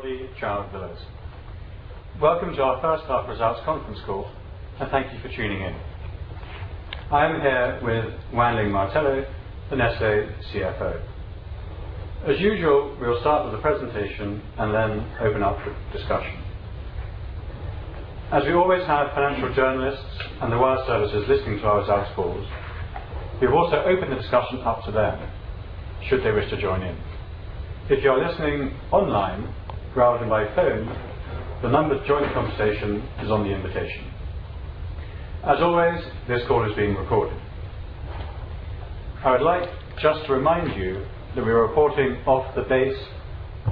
Hi, I'm Roddy Child-Villiers. Welcome to our first half results conference call. Thank you for tuning in. I am here with Wan Ling Martello, the Nestlé CFO. As usual, we will start with the presentation. Then open up for discussion. We always have financial journalists and the wire services listening to our results calls, we've also opened the discussion up to them should they wish to join in. If you are listening online rather than by phone, the number to join the conversation is on the invitation. Always, this call is being recorded. I would like just to remind you that we are reporting off the base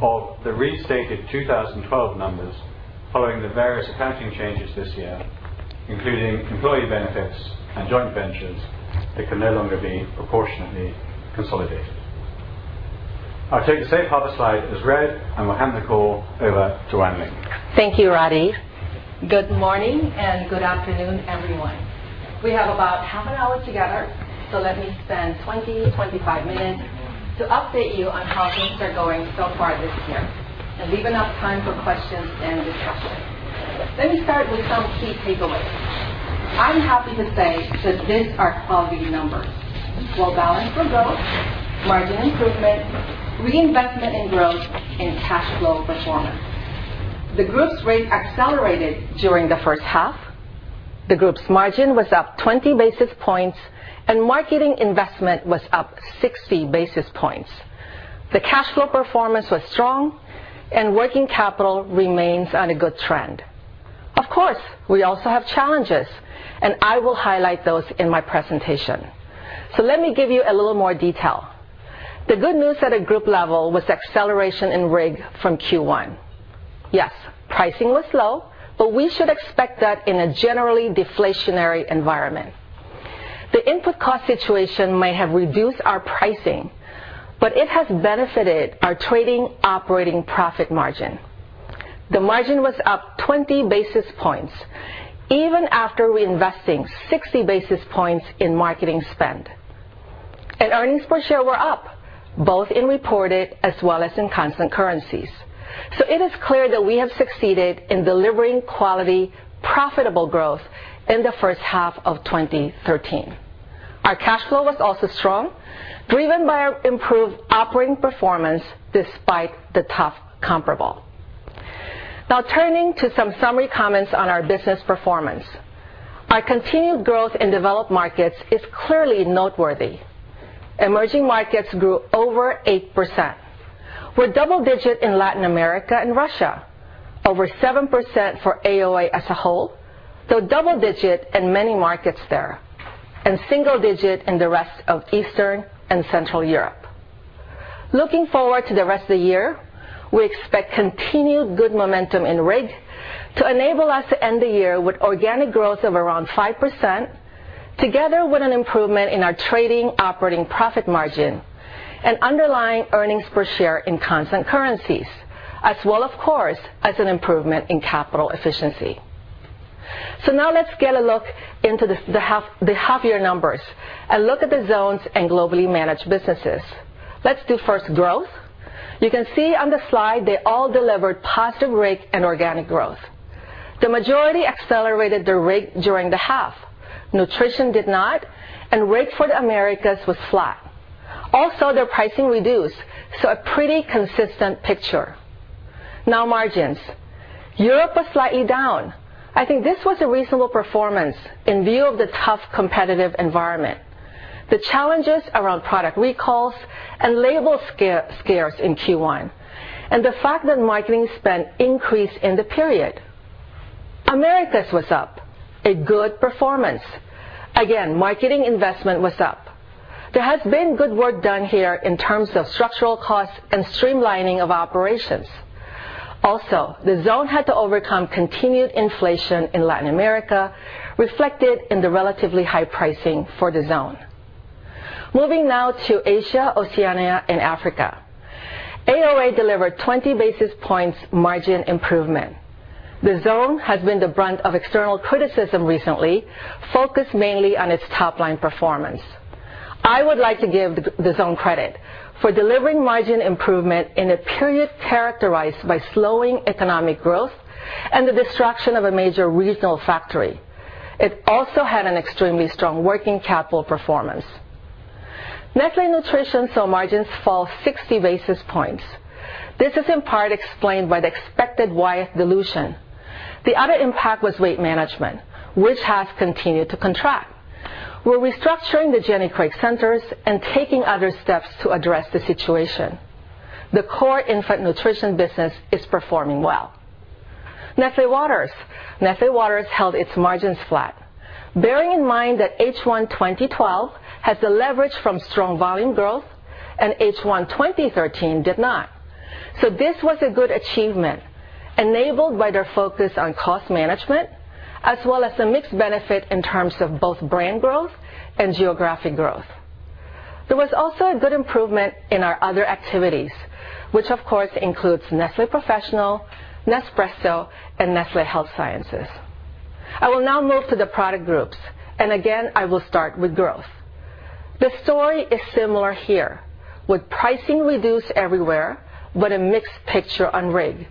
of the restated 2012 numbers following the various accounting changes this year, including employee benefits and joint ventures that can no longer be proportionately consolidated. I'll take the safe harbor slide as read. We'll hand the call over to Wan Ling. Thank you, Roddy. Good morning and good afternoon, everyone. We have about half an hour together. Let me spend 20, 25 minutes to update you on how things are going so far this year. Leave enough time for questions and discussion. Let me start with some key takeaways. I'm happy to say that these are quality numbers. Well-balanced for growth, margin improvement, reinvestment in growth, cash flow performance. The group's rate accelerated during the first half. The group's margin was up 20 basis points, and marketing investment was up 60 basis points. The cash flow performance was strong. Working capital remains on a good trend. Of course, we also have challenges, and I will highlight those in my presentation. Let me give you a little more detail. The good news at a group level was acceleration in RIG from Q1. Yes, pricing was low. We should expect that in a generally deflationary environment. The input cost situation may have reduced our pricing. It has benefited our trading operating profit margin. The margin was up 20 basis points even after reinvesting 60 basis points in marketing spend. Earnings per share were up, both in reported as well as in constant currencies. It is clear that we have succeeded in delivering quality, profitable growth in the first half of 2013. Our cash flow was also strong, driven by our improved operating performance despite the tough comparable. Turning to some summary comments on our business performance. Our continued growth in developed markets is clearly noteworthy. Emerging markets grew over 8%. We're double digit in Latin America and Russia. Over 7% for AOA as a whole, double-digit in many markets there, and single-digit in the rest of Eastern and Central Europe. Looking forward to the rest of the year, we expect continued good momentum in RIG to enable us to end the year with organic growth of around 5%, together with an improvement in our trading operating profit margin and underlying earnings per share in constant currencies. As well, of course, as an improvement in capital efficiency. Now let's get a look into the half-year numbers and look at the zones and Globally Managed Businesses. Let's do first growth. You can see on the slide they all delivered positive RIG and organic growth. The majority accelerated their RIG during the half. Nestlé Nutrition did not, and RIG for the Americas was flat. Also, their pricing reduced. A pretty consistent picture. Now margins. Europe was slightly down. I think this was a reasonable performance in view of the tough competitive environment, the challenges around product recalls and label scares in Q1, and the fact that marketing spend increased in the period. Americas was up. A good performance. Again, marketing investment was up. There has been good work done here in terms of structural costs and streamlining of operations. Also, the zone had to overcome continued inflation in Latin America, reflected in the relatively high pricing for the zone. Moving now to Asia, Oceania, and Africa. AOA delivered 20 basis points margin improvement. The zone has been the brunt of external criticism recently, focused mainly on its top-line performance. I would like to give the zone credit for delivering margin improvement in a period characterized by slowing economic growth and the destruction of a major regional factory. It also had an extremely strong working capital performance. Nestlé Nutrition saw margins fall 60 basis points. This is in part explained by the expected Wyeth dilution. The other impact was weight management, which has continued to contract. We're restructuring the Jenny Craig centers and taking other steps to address the situation. The core infant nutrition business is performing well. Nestlé Waters. Nestlé Waters held its margins flat. Bearing in mind that H1 2012 has the leverage from strong volume growth and H1 2013 did not. This was a good achievement enabled by their focus on cost management as well as the mix benefit in terms of both brand growth and geographic growth. There was also a good improvement in our other activities, which of course includes Nestlé Professional, Nespresso, and Nestlé Health Sciences. I will now move to the product groups, and again, I will start with growth. The story is similar here, with pricing reduced everywhere. A mixed picture on RIG.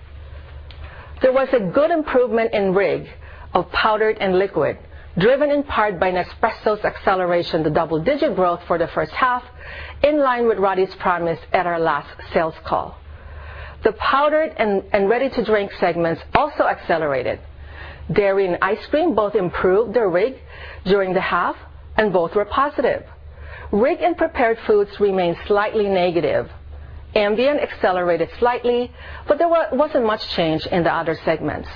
There was a good improvement in RIG of powdered and liquid, driven in part by Nespresso's acceleration to double-digit growth for the first half, in line with Roddy's promise at our last sales call. The powdered and ready-to-drink segments also accelerated. Dairy and ice cream both improved their RIG during the half, and both were positive. RIG and prepared foods remained slightly negative. Ambient accelerated slightly. There wasn't much change in the other segments.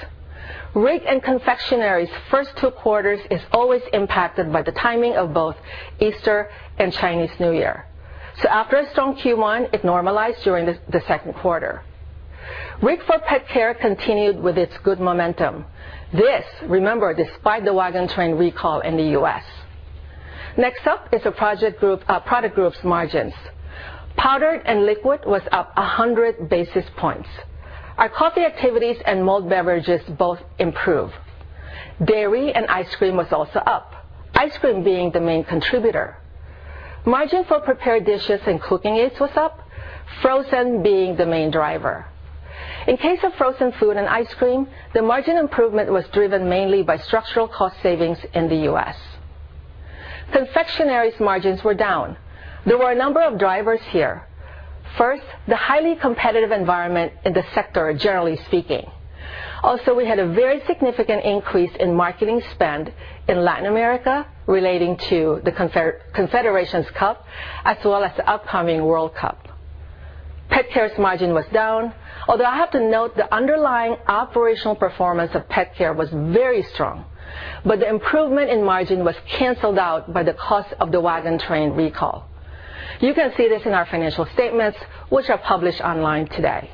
RIG and confectionery's first two quarters is always impacted by the timing of both Easter and Chinese New Year. After a strong Q1, it normalized during the second quarter. RIG for pet care continued with its good momentum. This, remember, despite the Waggin' Train recall in the U.S. Next up is the product group's margins. Powdered and liquid was up 100 basis points. Our coffee activities and malt beverages both improved. Dairy and ice cream was also up, ice cream being the main contributor. Margin for prepared dishes and cooking aids was up, frozen being the main driver. In case of frozen food and ice cream, the margin improvement was driven mainly by structural cost savings in the U.S. Confectionery's margins were down. There were a number of drivers here. First, the highly competitive environment in the sector, generally speaking. Also, we had a very significant increase in marketing spend in Latin America relating to the Confederations Cup, as well as the upcoming World Cup. Pet care's margin was down, although I have to note the underlying operational performance of pet care was very strong, but the improvement in margin was canceled out by the cost of the Waggin' Train recall. You can see this in our financial statements, which are published online today.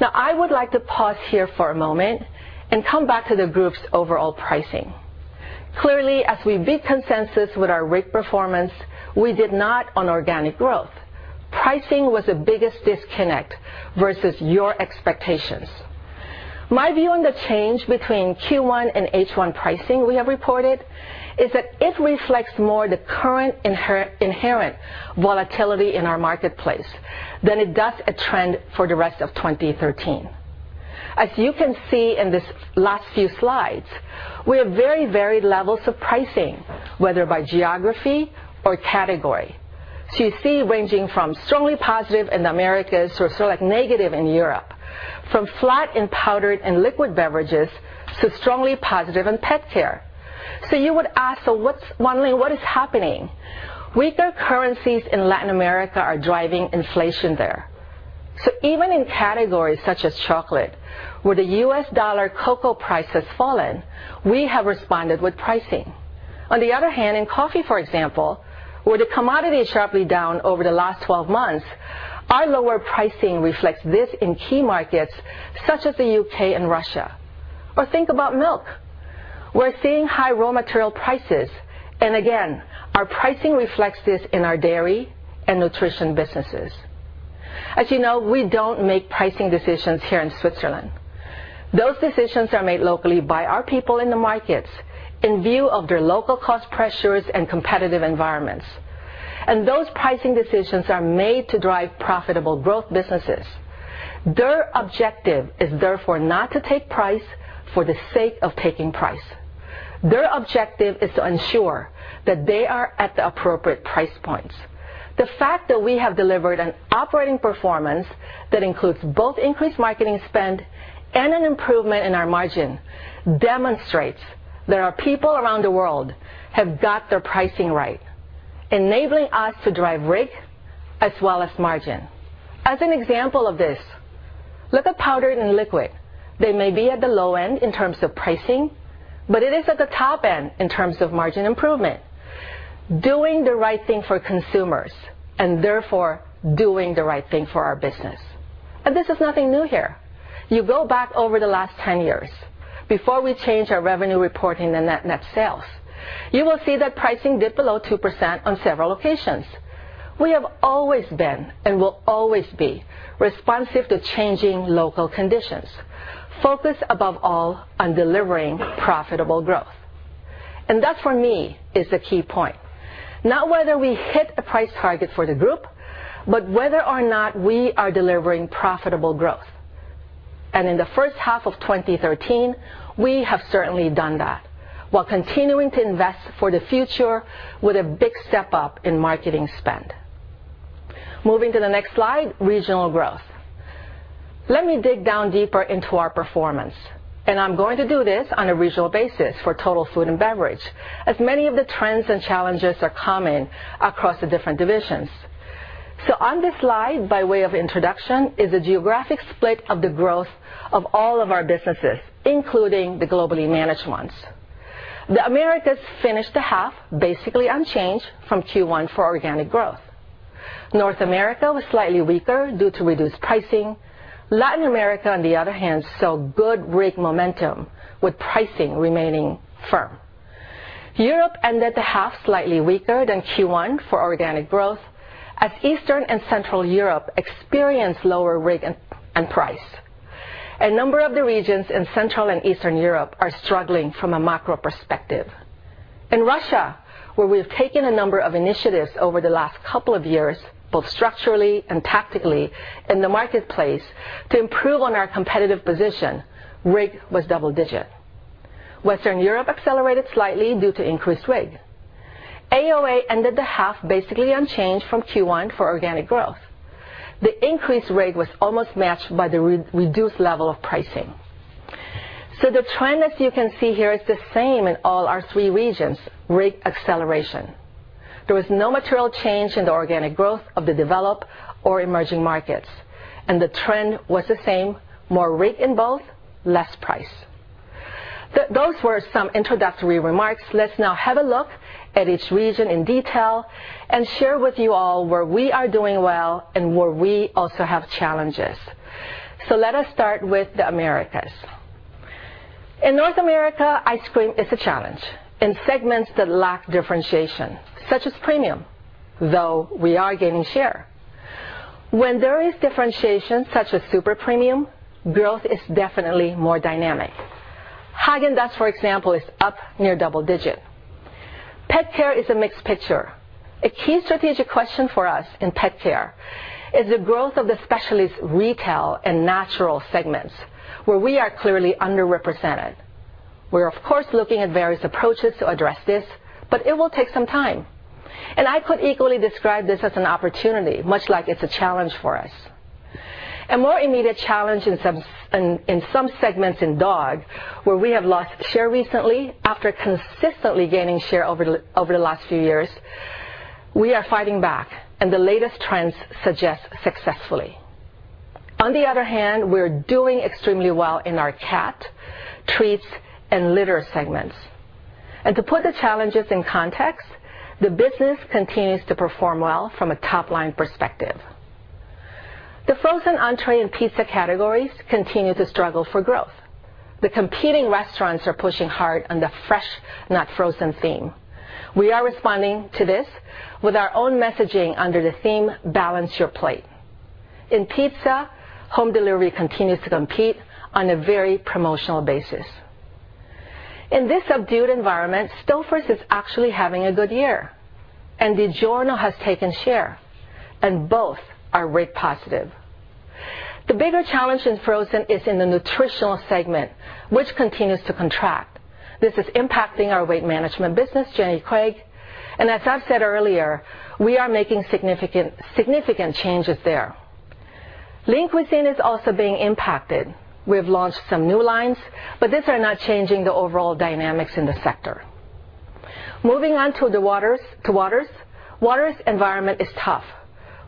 I would like to pause here for a moment and come back to the group's overall pricing. Clearly, as we beat consensus with our RIG performance, we did not on organic growth. Pricing was the biggest disconnect versus your expectations. My view on the change between Q1 and H1 pricing we have reported is that it reflects more the current inherent volatility in our marketplace than it does a trend for the rest of 2013. As you can see in these last few slides, we have very varied levels of pricing, whether by geography or category. You see ranging from strongly positive in the Americas to sort of negative in Europe, from flat in powdered and liquid beverages to strongly positive in pet care. You would ask, so what's happening? Weaker currencies in Latin America are driving inflation there. Even in categories such as chocolate, where the US dollar cocoa price has fallen, we have responded with pricing. On the other hand, in coffee, for example, where the commodity is sharply down over the last 12 months, our lower pricing reflects this in key markets such as the U.K. and Russia. Think about milk. We're seeing high raw material prices. Again, our pricing reflects this in our dairy and nutrition businesses. As you know, we don't make pricing decisions here in Switzerland. Those decisions are made locally by our people in the markets in view of their local cost pressures and competitive environments. Those pricing decisions are made to drive profitable growth businesses. Their objective is therefore not to take price for the sake of taking price. Their objective is to ensure that they are at the appropriate price points. The fact that we have delivered an operating performance that includes both increased marketing spend and an improvement in our margin demonstrates that our people around the world have got their pricing right, enabling us to drive RIG as well as margin. As an example of this, look at powdered and liquid. They may be at the low end in terms of pricing, but it is at the top end in terms of margin improvement, doing the right thing for consumers and therefore doing the right thing for our business. This is nothing new here. You go back over the last 10 years, before we changed our revenue reporting the net sales, you will see that pricing dipped below 2% on several occasions. We have always been and will always be responsive to changing local conditions, focused above all on delivering profitable growth. That, for me, is the key point. Not whether we hit a price target for the group, but whether or not we are delivering profitable growth. In the first half of 2013, we have certainly done that while continuing to invest for the future with a big step up in marketing spend. Moving to the next slide, regional growth. Let me dig down deeper into our performance, and I'm going to do this on a regional basis for total food and beverage, as many of the trends and challenges are common across the different divisions. On this slide, by way of introduction, is a geographic split of the growth of all of our businesses, including the globally managed ones. The Americas finished the half basically unchanged from Q1 for organic growth. North America was slightly weaker due to reduced pricing. Latin America, on the other hand, saw good RIG momentum with pricing remaining firm. Europe ended the half slightly weaker than Q1 for organic growth as Eastern and Central Europe experienced lower RIG and price. A number of the regions in Central and Eastern Europe are struggling from a macro perspective. In Russia, where we have taken a number of initiatives over the last couple of years, both structurally and tactically in the marketplace to improve on our competitive position, RIG was double-digit. Western Europe accelerated slightly due to increased RIG. AOA ended the half basically unchanged from Q1 for organic growth. The increased RIG was almost matched by the reduced level of pricing. The trend, as you can see here, is the same in all our three regions, RIG acceleration. There was no material change in the organic growth of the developed or emerging markets, and the trend was the same, more RIG in both, less price. Those were some introductory remarks. Let us now have a look at each region in detail and share with you all where we are doing well and where we also have challenges. Let us start with the Americas. In North America, ice cream is a challenge in segments that lack differentiation, such as premium, though we are gaining share. When there is differentiation such as super premium, growth is definitely more dynamic. Häagen-Dazs, for example, is up near double-digit. Pet care is a mixed picture. A key strategic question for us in pet care is the growth of the specialist retail and natural segments, where we are clearly underrepresented. We're of course, looking at various approaches to address this, but it will take some time. I could equally describe this as an opportunity, much like it's a challenge for us. A more immediate challenge in some segments in dog, where we have lost share recently after consistently gaining share over the last few years, we are fighting back, and the latest trends suggest successfully. On the other hand, we're doing extremely well in our cat, treats, and litter segments. To put the challenges in context, the business continues to perform well from a top-line perspective. The frozen entrée and pizza categories continue to struggle for growth. The competing restaurants are pushing hard on the fresh, not frozen theme. We are responding to this with our own messaging under the theme, Balance Your Plate. In pizza, home delivery continues to compete on a very promotional basis. In this subdued environment, Stouffer's is actually having a good year, and DiGiorno has taken share, and both are RIG positive. The bigger challenge in frozen is in the nutritional segment, which continues to contract. This is impacting our weight management business, Jenny Craig, and as I've said earlier, we are making significant changes there. Lean Cuisine is also being impacted. We have launched some new lines. These are not changing the overall dynamics in the sector. Moving on to waters. Waters environment is tough,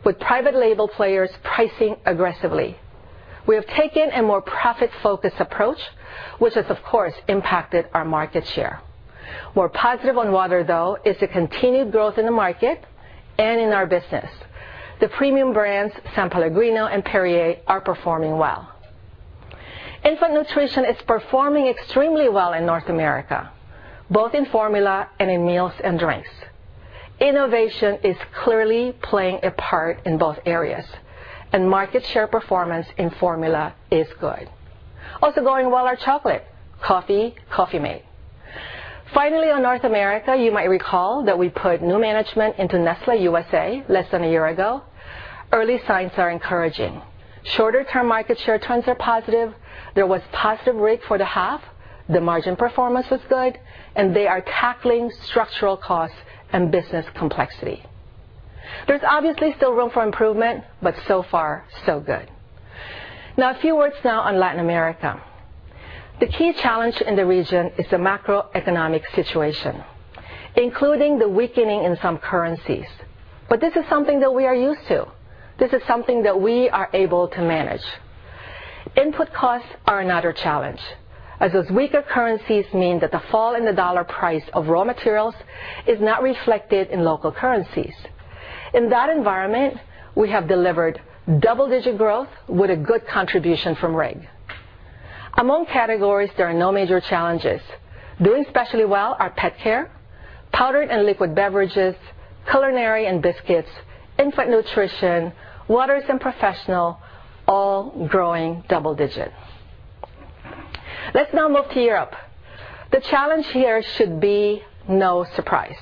with private label players pricing aggressively. We have taken a more profit-focused approach, which has, of course, impacted our market share. More positive on water, though, is the continued growth in the market and in our business. The premium brands, S.Pellegrino and Perrier, are performing well. Infant nutrition is performing extremely well in North America, both in formula and in meals and drinks. Innovation is clearly playing a part in both areas, and market share performance in formula is good. Also going well are chocolate, coffee, Coffee-mate. Finally, on North America, you might recall that we put new management into Nestlé USA less than a year ago. Early signs are encouraging. Shorter-term market share trends are positive. There was positive RIG for the half. The margin performance was good, and they are tackling structural costs and business complexity. There's obviously still room for improvement. So far, so good. A few words now on Latin America. The key challenge in the region is the macroeconomic situation, including the weakening in some currencies. This is something that we are used to. This is something that we are able to manage. Input costs are another challenge, as those weaker currencies mean that the fall in the US dollar price of raw materials is not reflected in local currencies. In that environment, we have delivered double-digit growth with a good contribution from RIG. Among categories, there are no major challenges. Doing especially well are pet care, powdered and liquid beverages, culinary and biscuits, infant nutrition, waters and professional, all growing double digits. Let's now move to Europe. The challenge here should be no surprise.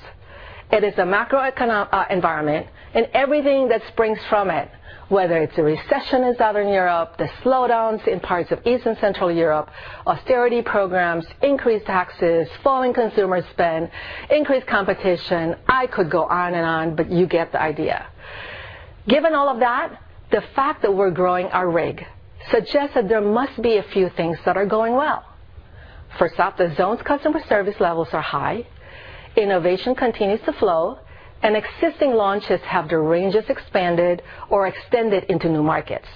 It is the macroeconomic environment and everything that springs from it, whether it's a recession in Southern Europe, the slowdowns in parts of Eastern Central Europe, austerity programs, increased taxes, falling consumer spend, increased competition. I could go on and on. You get the idea. Given all of that, the fact that we're growing our RIG suggests that there must be a few things that are going well. First up, the zone's customer service levels are high, innovation continues to flow, and existing launches have their ranges expanded or extended into new markets.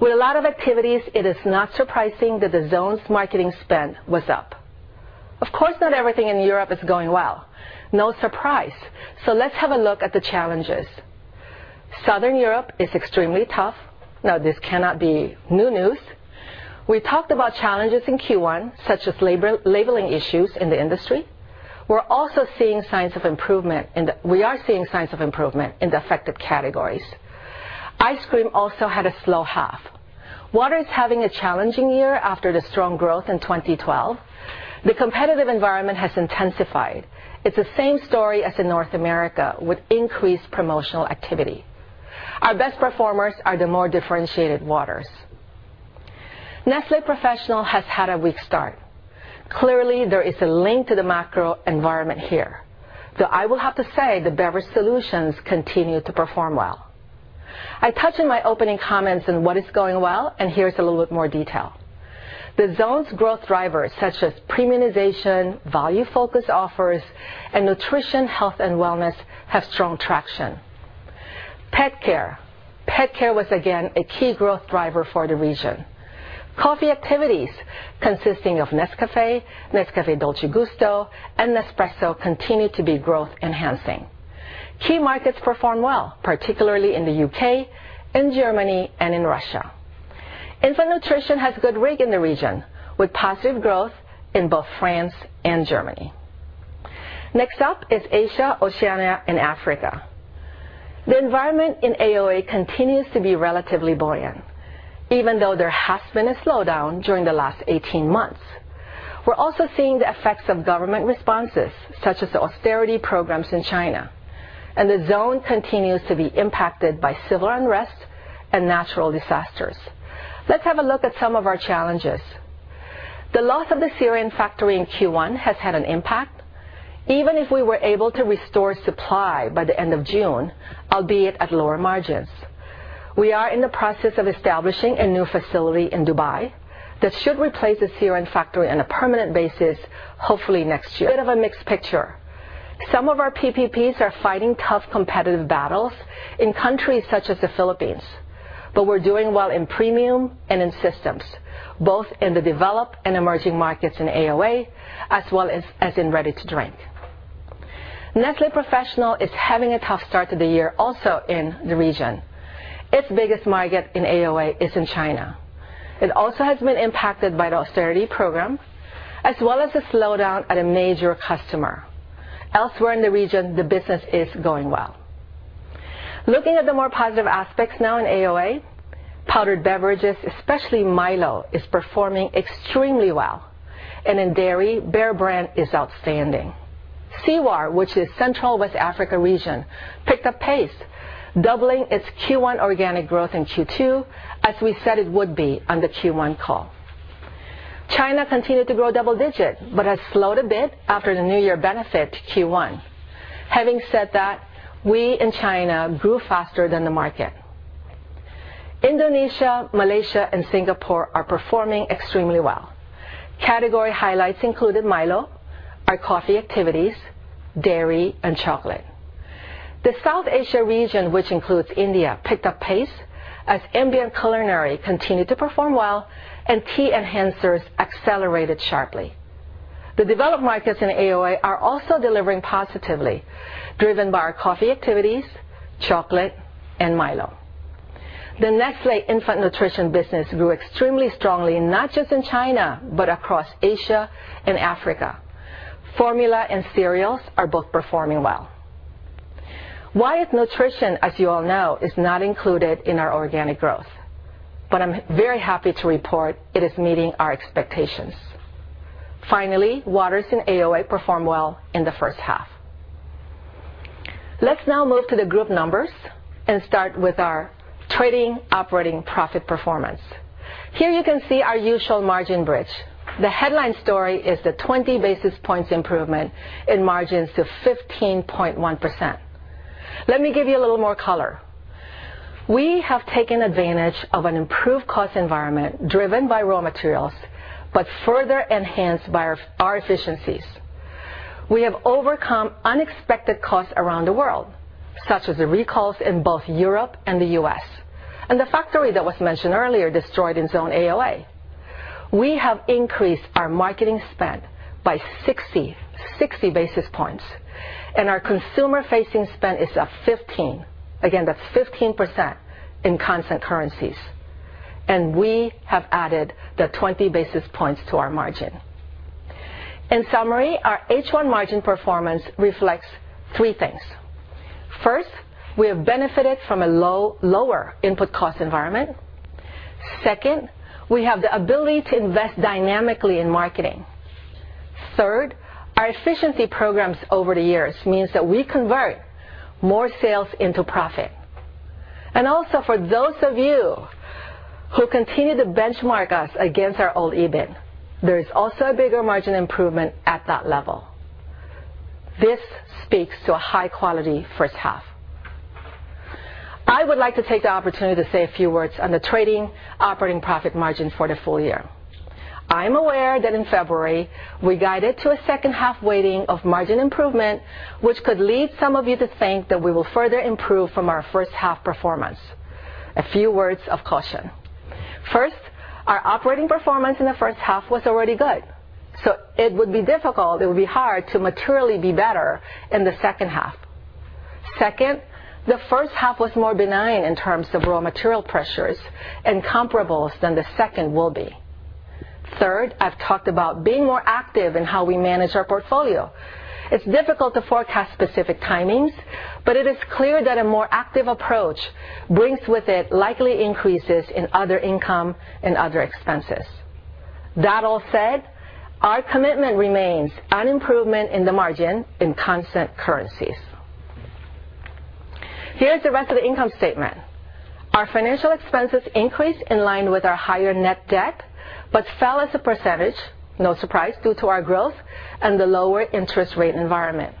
With a lot of activities, it is not surprising that the zone's marketing spend was up. Not everything in Europe is going well. No surprise. Let's have a look at the challenges. Southern Europe is extremely tough. This cannot be new news. We talked about challenges in Q1, such as labeling issues in the industry. We are seeing signs of improvement in the affected categories. Ice cream also had a slow half. Water is having a challenging year after the strong growth in 2012. The competitive environment has intensified. It's the same story as in North America with increased promotional activity. Our best performers are the more differentiated waters. Nestlé Professional has had a weak start. Clearly, there is a link to the macro environment here, though I will have to say that Beverage Solutions continue to perform well. Here is a little bit more detail. The zone's growth drivers, such as premiumization, value-focused offers, and nutrition, health, and wellness have strong traction. Pet care was again a key growth driver for the region. Coffee activities consisting of Nescafé Dolce Gusto, and Nespresso continue to be growth enhancing. Key markets perform well, particularly in the U.K., in Germany, and in Russia. Infant nutrition had a good RIG in the region, with positive growth in both France and Germany. Next up is Asia, Oceania, and Africa. The environment in AoA continues to be relatively buoyant, even though there has been a slowdown during the last 18 months. The zone continues to be impacted by civil unrest and natural disasters. Let's have a look at some of our challenges. The loss of the Syrian factory in Q1 has had an impact, even if we were able to restore supply by the end of June, albeit at lower margins. We are in the process of establishing a new facility in Dubai that should replace the Syrian factory on a permanent basis, hopefully next year. Bit of a mixed picture. Some of our PPPs are fighting tough competitive battles in countries such as the Philippines. We're doing well in premium and in systems, both in the developed and emerging markets in AoA as well as in ready-to-drink. Nestlé Professional is having a tough start to the year also in the region. Its biggest market in AoA is in China. It also has been impacted by the austerity program, as well as a slowdown at a major customer. Elsewhere in the region, the business is going well. Looking at the more positive aspects now in AoA, powdered beverages, especially Milo, is performing extremely well. In dairy, Bear Brand is outstanding. CWAR, which is Central West Africa Region, picked up pace, doubling its Q1 organic growth in Q2, as we said it would be on the Q1 call. China continued to grow double-digit. It has slowed a bit after the new year benefit Q1. Having said that, we in China grew faster than the market. Indonesia, Malaysia, and Singapore are performing extremely well. Category highlights included Milo, our coffee activities, dairy, and chocolate. The South Asia region, which includes India, picked up pace as ambient culinary continued to perform well and tea enhancers accelerated sharply. The developed markets in AoA are also delivering positively, driven by our coffee activities, chocolate, and Milo. The Nestlé infant nutrition business grew extremely strongly, not just in China but across Asia and Africa. Formula and cereals are both performing well. Wyeth Nutrition, as you all know, is not included in our organic growth. I'm very happy to report it is meeting our expectations. Finally, waters in AoA performed well in the first half. Let's now move to the group numbers and start with our trading operating profit performance. Here you can see our usual margin bridge. The headline story is the 20 basis points improvement in margins to 15.1%. Let me give you a little more color. We have taken advantage of an improved cost environment driven by raw materials but further enhanced by our efficiencies. We have overcome unexpected costs around the world, such as the recalls in both Europe and the U.S., and the factory that was mentioned earlier destroyed in zone AOA. We have increased our marketing spend by 60 basis points, and our consumer-facing spend is up 15%. Again, that's 15% in constant currencies. We have added the 20 basis points to our margin. In summary, our H1 margin performance reflects three things. First, we have benefited from a lower input cost environment. Second, we have the ability to invest dynamically in marketing. Third, our efficiency programs over the years means that we convert more sales into profit. Also, for those of you who continue to benchmark us against our old EBIT, there is also a bigger margin improvement at that level. This speaks to a high-quality first half. I would like to take the opportunity to say a few words on the trading operating profit margin for the full year. I'm aware that in February, we guided to a second half weighting of margin improvement, which could lead some of you to think that we will further improve from our first half performance. A few words of caution. First, our operating performance in the first half was already good. It would be hard to materially be better in the second half. Second, the first half was more benign in terms of raw material pressures and comparables than the second will be. Third, I've talked about being more active in how we manage our portfolio. It's difficult to forecast specific timings, but it is clear that a more active approach brings with it likely increases in other income and other expenses. That all said, our commitment remains an improvement in the margin in constant currencies. Here is the rest of the income statement. Our financial expenses increased in line with our higher net debt, but fell as a percentage, no surprise, due to our growth and the lower interest rate environment.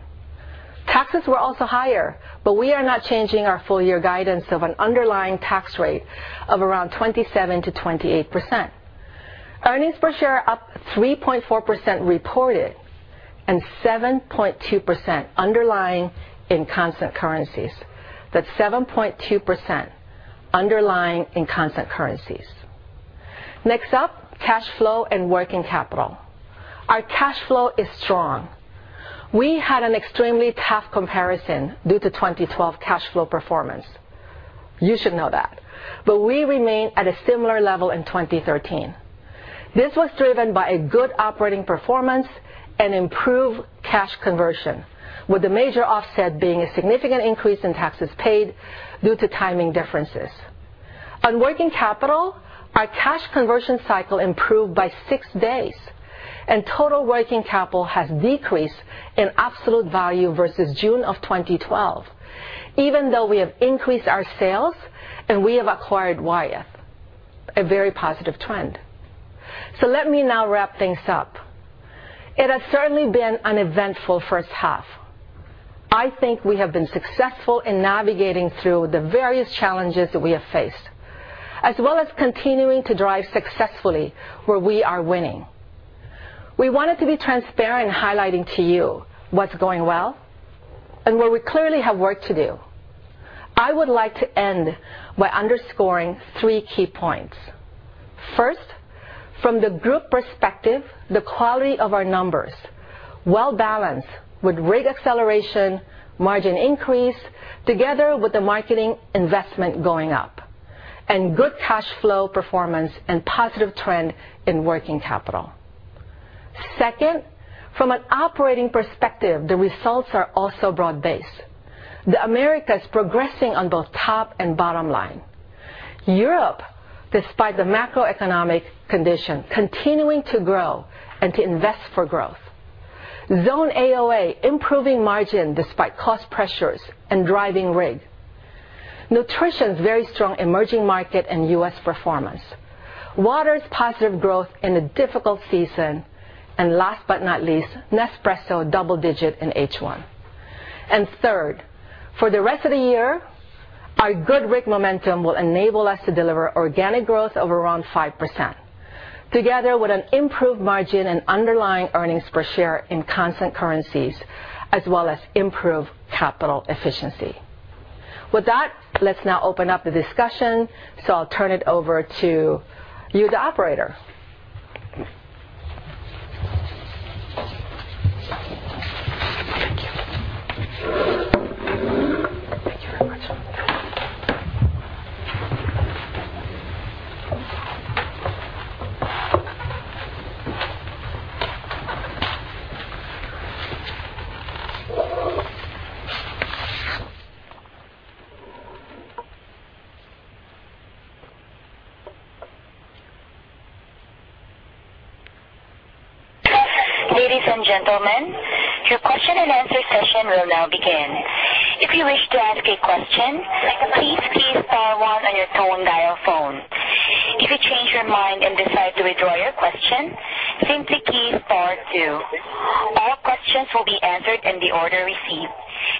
Taxes were also higher, but we are not changing our full-year guidance of an underlying tax rate of around 27%-28%. Earnings per share are up 3.4% reported and 7.2% underlying in constant currencies. That's 7.2% underlying in constant currencies. Next up, cash flow and working capital. Our cash flow is strong. We had an extremely tough comparison due to 2012 cash flow performance. You should know that. We remain at a similar level in 2013. This was driven by a good operating performance and improved cash conversion, with the major offset being a significant increase in taxes paid due to timing differences. On working capital, our cash conversion cycle improved by six days, and total working capital has decreased in absolute value versus June of 2012, even though we have increased our sales and we have acquired Wyeth. A very positive trend. Let me now wrap things up. It has certainly been an eventful first half. I think we have been successful in navigating through the various challenges that we have faced, as well as continuing to drive successfully where we are winning. We wanted to be transparent in highlighting to you what's going well and where we clearly have work to do. I would like to end by underscoring three key points. First, from the group perspective, the quality of our numbers, well-balanced with RIG acceleration, margin increase, together with the marketing investment going up, and good cash flow performance and positive trend in working capital. Second, from an operating perspective, the results are also broad-based. The Americas progressing on both top and bottom line. Europe, despite the macroeconomic condition, continuing to grow and to invest for growth. Zone AOA improving margin despite cost pressures and driving RIG. Nestlé Nutrition's very strong emerging market and U.S. performance. Nestlé Waters' positive growth in a difficult season. Last but not least, Nespresso double digit in H1. Third, for the rest of the year, our good RIG momentum will enable us to deliver organic growth of around 5%, together with an improved margin and underlying earnings per share in constant currencies, as well as improved capital efficiency. With that, let's now open up the discussion. I'll turn it over to you, the operator. Thank you. Thank you very much. Ladies and gentlemen, your question and answer session will now begin. If you wish to ask a question, please key star one on your tone dial phone. If you change your mind and decide to withdraw your question, simply key star two. All questions will be answered in the order received,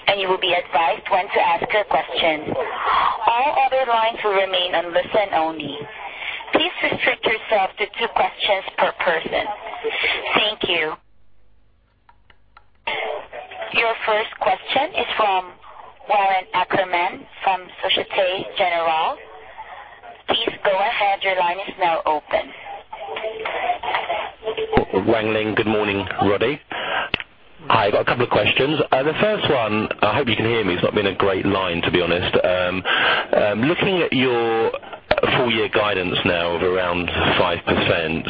and you will be advised when to ask your question. All other lines will remain on listen only. Please restrict yourself to two questions per person. Thank you. Your first question is from Warren Ackerman from Société Générale. Please go ahead, your line is now open. Wan Ling, good morning, Roddy. I got a couple of questions. The first one, I hope you can hear me. It's not been a great line, to be honest. Looking at your full year guidance now of around 5%,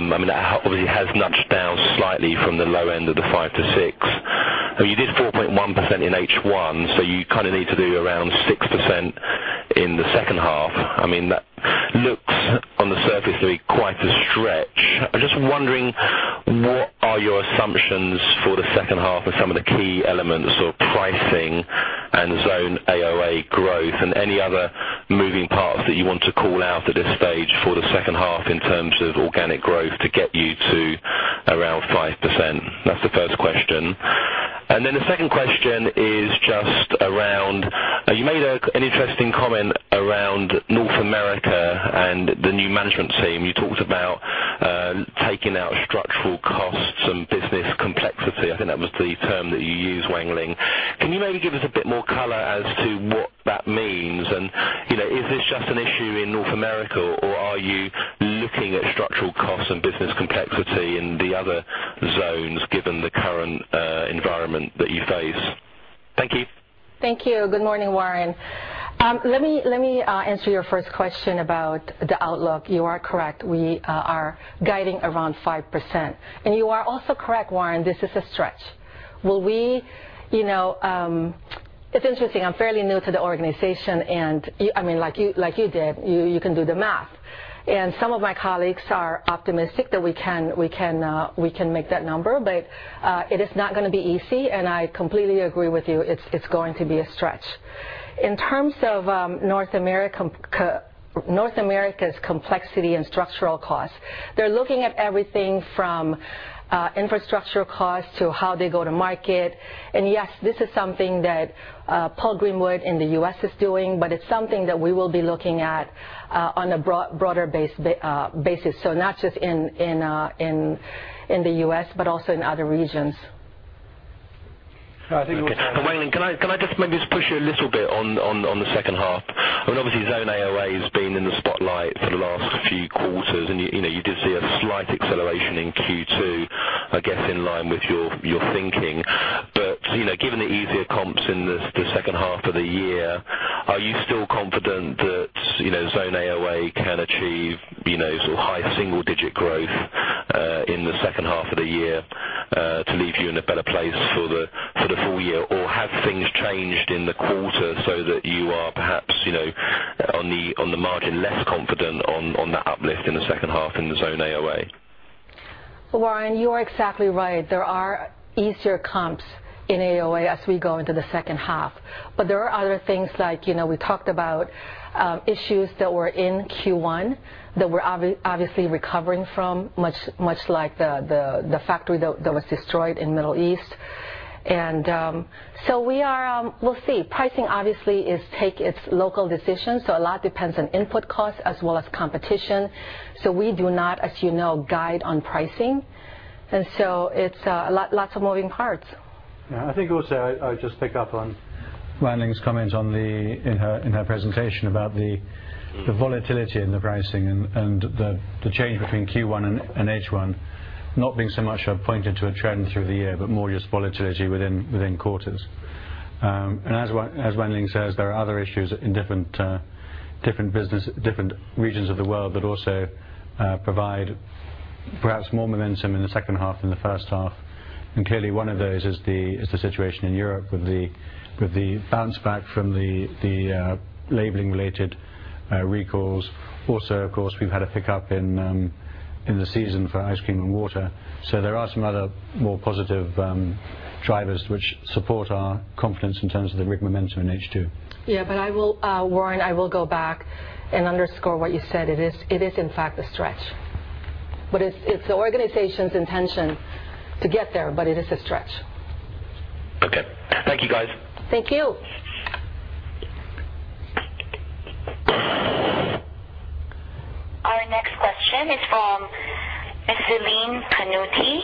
I mean, that probably has nudged down slightly from the low end of the 5%-6%. You did 4.1% in H1, so you kind of need to do around 6% in the second half. I mean, that looks on the surface to be quite a stretch. I'm just wondering, what are your assumptions for the second half of some of the key elements of pricing and Zone AOA growth and any other moving parts that you want to call out at this stage for the second half in terms of organic growth to get you to around 5%? That's the first question. The second question is just around, you made an interesting comment around North America and the new management team. You talked about Taking out structural costs and business complexity, I think that was the term that you used, Wan Ling. Can you maybe give us a bit more color as to what that means? Is this just an issue in North America, or are you looking at structural costs and business complexity in the other zones given the current environment that you face? Thank you. Thank you. Good morning, Warren. Let me answer your first question about the outlook. You are correct. We are guiding around 5%. You are also correct, Warren, this is a stretch. It's interesting. I'm fairly new to the organization, and like you did, you can do the math. Some of my colleagues are optimistic that we can make that number, but it is not going to be easy, and I completely agree with you. It's going to be a stretch. In terms of North America's complexity and structural costs, they're looking at everything from infrastructure costs to how they go to market. Yes, this is something that Paul Greenwood in the U.S. is doing, but it's something that we will be looking at on a broader basis. Not just in the U.S., but also in other regions. Wan Ling, can I just maybe just push you a little bit on the second half? Obviously Zone AOA has been in the spotlight for the last few quarters, and you did see a slight acceleration in Q2, I guess in line with your thinking. Given the easier comps in the second half of the year, are you still confident that Zone AOA can achieve high single digit growth in the second half of the year to leave you in a better place for the full year? Have things changed in the quarter so that you are perhaps, on the margin, less confident on that uplift in the second half in the Zone AOA? Warren, you are exactly right. There are easier comps in AOA as we go into the second half. There are other things like, we talked about issues that were in Q1 that we're obviously recovering from, much like the factory that was destroyed in Middle East. We'll see. Pricing obviously takes its local decisions, so a lot depends on input costs as well as competition. We do not, as you know, guide on pricing. It's lots of moving parts. I think also, I would just pick up on Wan Ling's comments in her presentation about the volatility in the pricing and the change between Q1 and H1 not being so much a pointer to a trend through the year, but more just volatility within quarters. As Wan Ling says, there are other issues in different regions of the world that also provide perhaps more momentum in the second half than the first half. Clearly one of those is the situation in Europe with the bounce back from the labeling related recalls. Of course, we've had a pickup in the season for ice cream and water. There are some other more positive drivers which support our confidence in terms of the RIG momentum in H2. Warren, I will go back and underscore what you said. It is in fact a stretch. It's the organization's intention to get there, but it is a stretch. Thank you, guys. Thank you. Our next question is from Celine Pannuti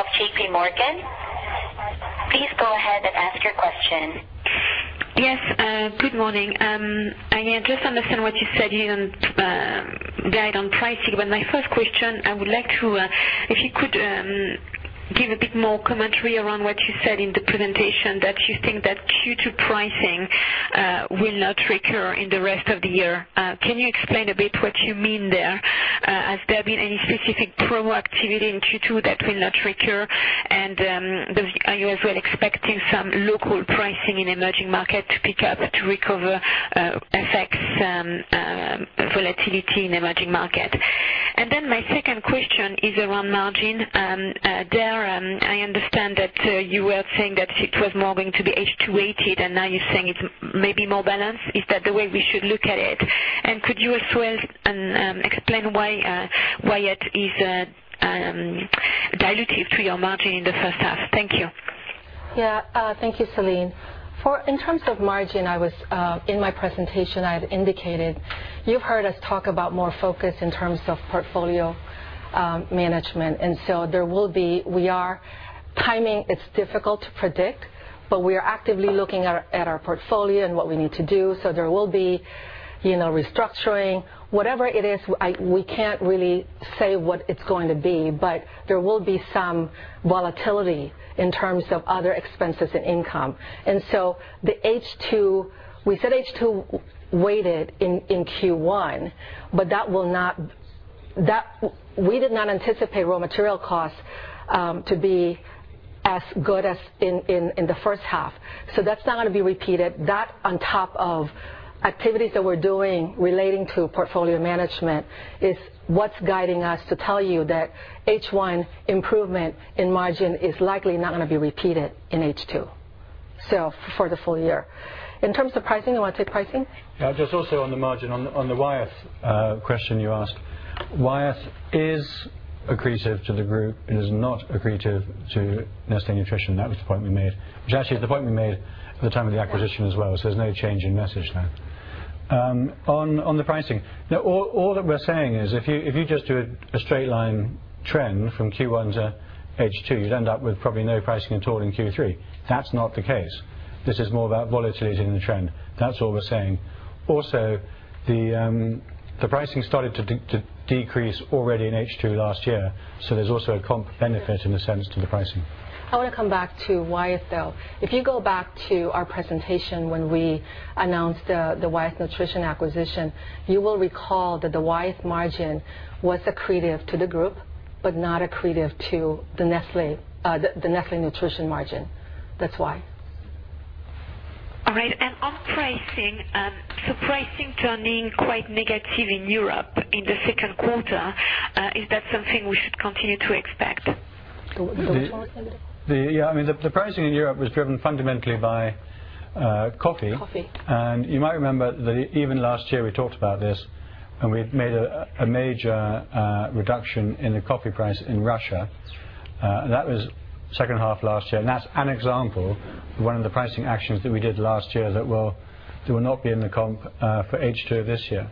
of J.P. Morgan. Please go ahead and ask your question. Yes, good morning. My first question, if you could give a bit more commentary around what you said in the presentation, that you think that Q2 pricing will not recur in the rest of the year. Can you explain a bit what you mean there? Has there been any specific promo activity in Q2 that will not recur? Are you as well expecting some local pricing in emerging market to pick up to recover FX volatility in emerging market? My second question is around margin. There, I understand that you were saying that it was more going to be H2 weighted, now you're saying it's maybe more balanced. Is that the way we should look at it? Could you as well explain why it is dilutive to your margin in the first half? Thank you. Thank you, Celine. In terms of margin, in my presentation I have indicated, you've heard us talk about more focus in terms of portfolio management. Timing, it's difficult to predict, but we are actively looking at our portfolio and what we need to do. There will be restructuring. Whatever it is, we can't really say what it's going to be, but there will be some volatility in terms of other expenses and income. We said H2 weighted in Q1, but we did not anticipate raw material costs to be as good as in the first half. That's not going to be repeated. That on top of activities that we're doing relating to portfolio management is what's guiding us to tell you that H1 improvement in margin is likely not going to be repeated in H2. For the full year. In terms of pricing, you want to take pricing? Yeah. Just also on the margin, on the Wyeth question you asked. Wyeth is accretive to the group, it is not accretive to Nestlé Nutrition. That was the point we made. Which actually is the point we made at the time of the acquisition as well. There's no change in message there. On the pricing. All that we're saying is if you just do a straight line trend from Q1 to H2, you'd end up with probably no pricing at all in Q3. That's not the case. This is more about volatility in the trend. That's all we're saying. Also, the pricing started to decrease already in H2 last year, there's also a comp benefit in the sense to the pricing. I want to come back to Wyeth, though. If you go back to our presentation when we announced the Wyeth Nutrition acquisition, you will recall that the Wyeth margin was accretive to the group but not accretive to the Nestlé Nutrition margin. That's why. All right. On pricing turning quite negative in Europe in the second quarter, is that something we should continue to expect? Go forward on that? Yeah. The pricing in Europe was driven fundamentally by coffee. Coffee. You might remember that even last year we talked about this, and we made a major reduction in the coffee price in Russia. That was the second half of last year, and that is an example of one of the pricing actions that we did last year that will not be in the comp for H2 this year.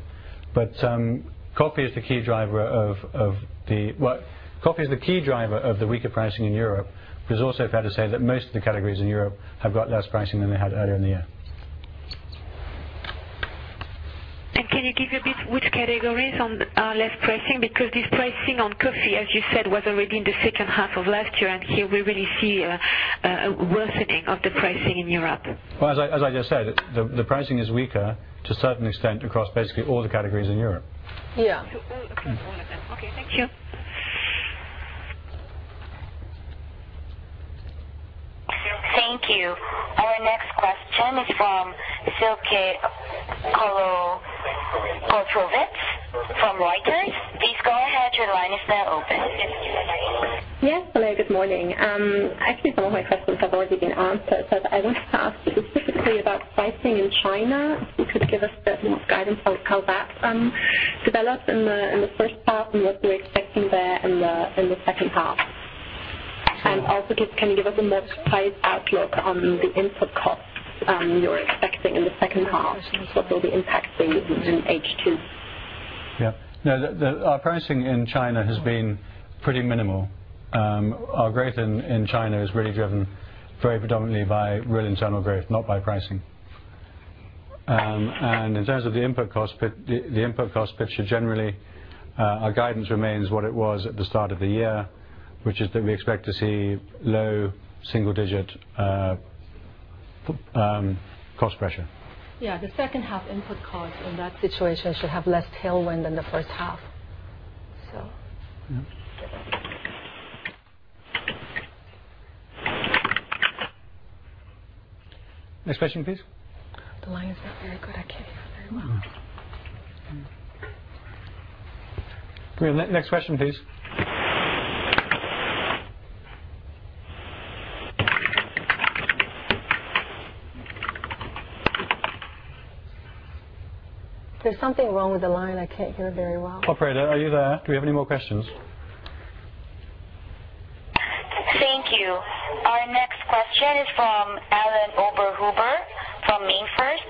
Coffee is the key driver of the weaker pricing in Europe. It is also fair to say that most of the categories in Europe have got less pricing than they had earlier in the year. Can you give a bit which categories are less pricing? This pricing on coffee, as you said, was already in the second half of last year, and here we really see a worsening of the pricing in Europe. Well, as I just said, the pricing is weaker to a certain extent across basically all the categories in Europe. Yeah. To all of them. Okay, thank you. Thank you. Our next question is from Silke Koltrowitz from Reuters. Please go ahead, your line is now open. Yes, hello, good morning. Actually, some of my questions have already been answered, so I wanted to ask specifically about pricing in China. If you could give us a bit more guidance on how that developed in the first half and what you're expecting there in the second half. Can you give us a more precise outlook on the input costs you're expecting in the second half that will be impacting in H2? Yeah. No, our pricing in China has been pretty minimal. Our growth in China is really driven very predominantly by real internal growth, not by pricing. In terms of the input cost picture, generally, our guidance remains what it was at the start of the year, which is that we expect to see low single-digit cost pressure. Yeah. The second-half input cost in that situation should have less tailwind than the first half. Yeah. Next question, please. The line is not very good. I can't hear very well. Next question, please. There's something wrong with the line. I can't hear very well. Operator, are you there? Do we have any more questions? Thank you. Our next question is from Alain Oberhuber from MainFirst.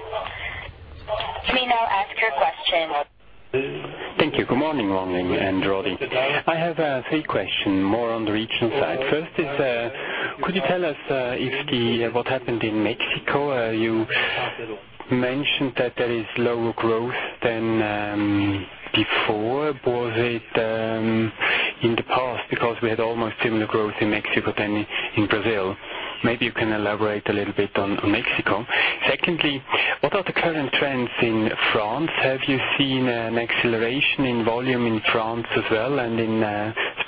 You may now ask your question. Thank you. Good morning, Wan Ling and Roddy. I have 3 questions, more on the regional side. First is, could you tell us what happened in Mexico? You mentioned that there is lower growth than before. Was it in the past because we had almost similar growth in Mexico than in Brazil. Maybe you can elaborate a little bit on Mexico. What are the current trends in France? Have you seen an acceleration in volume in France as well, and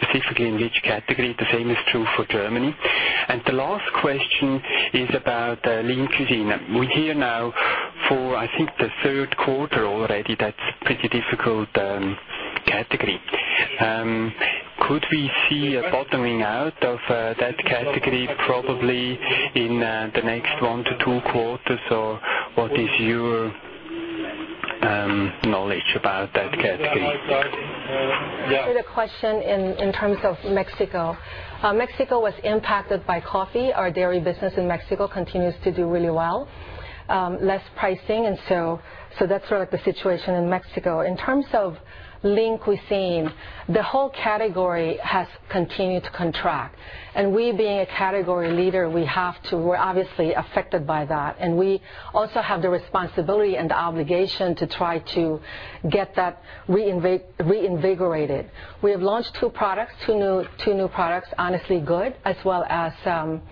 specifically in which category? The same is true for Germany. The last question is about Lean Cuisine. We hear now for, I think, the 3rd quarter already, that's a pretty difficult category. Could we see a bottoming out of that category probably in the next 1-2 quarters? Or what is your knowledge about that category? I'll take the question in terms of Mexico. Mexico was impacted by coffee. Our dairy business in Mexico continues to do really well. Less pricing, so that's sort of the situation in Mexico. In terms of Lean Cuisine, the whole category has continued to contract. We being a category leader, we're obviously affected by that, and we also have the responsibility and the obligation to try to get that reinvigorated. We have launched two products, two new products, LEAN CUISINE Honestly Good, as well as LEAN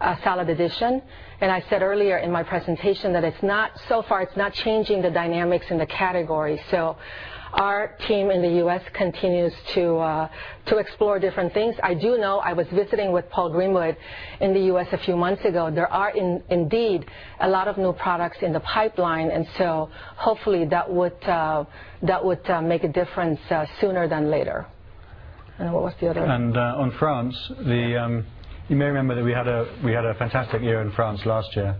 CUISINE Salad Additions. I said earlier in my presentation that so far it's not changing the dynamics in the category. Our team in the U.S. continues to explore different things. I do know I was visiting with Paul Greenwood in the U.S. a few months ago. There are indeed a lot of new products in the pipeline, so hopefully that would make a difference sooner than later. What was the other? On France, you may remember that we had a fantastic year in France last year,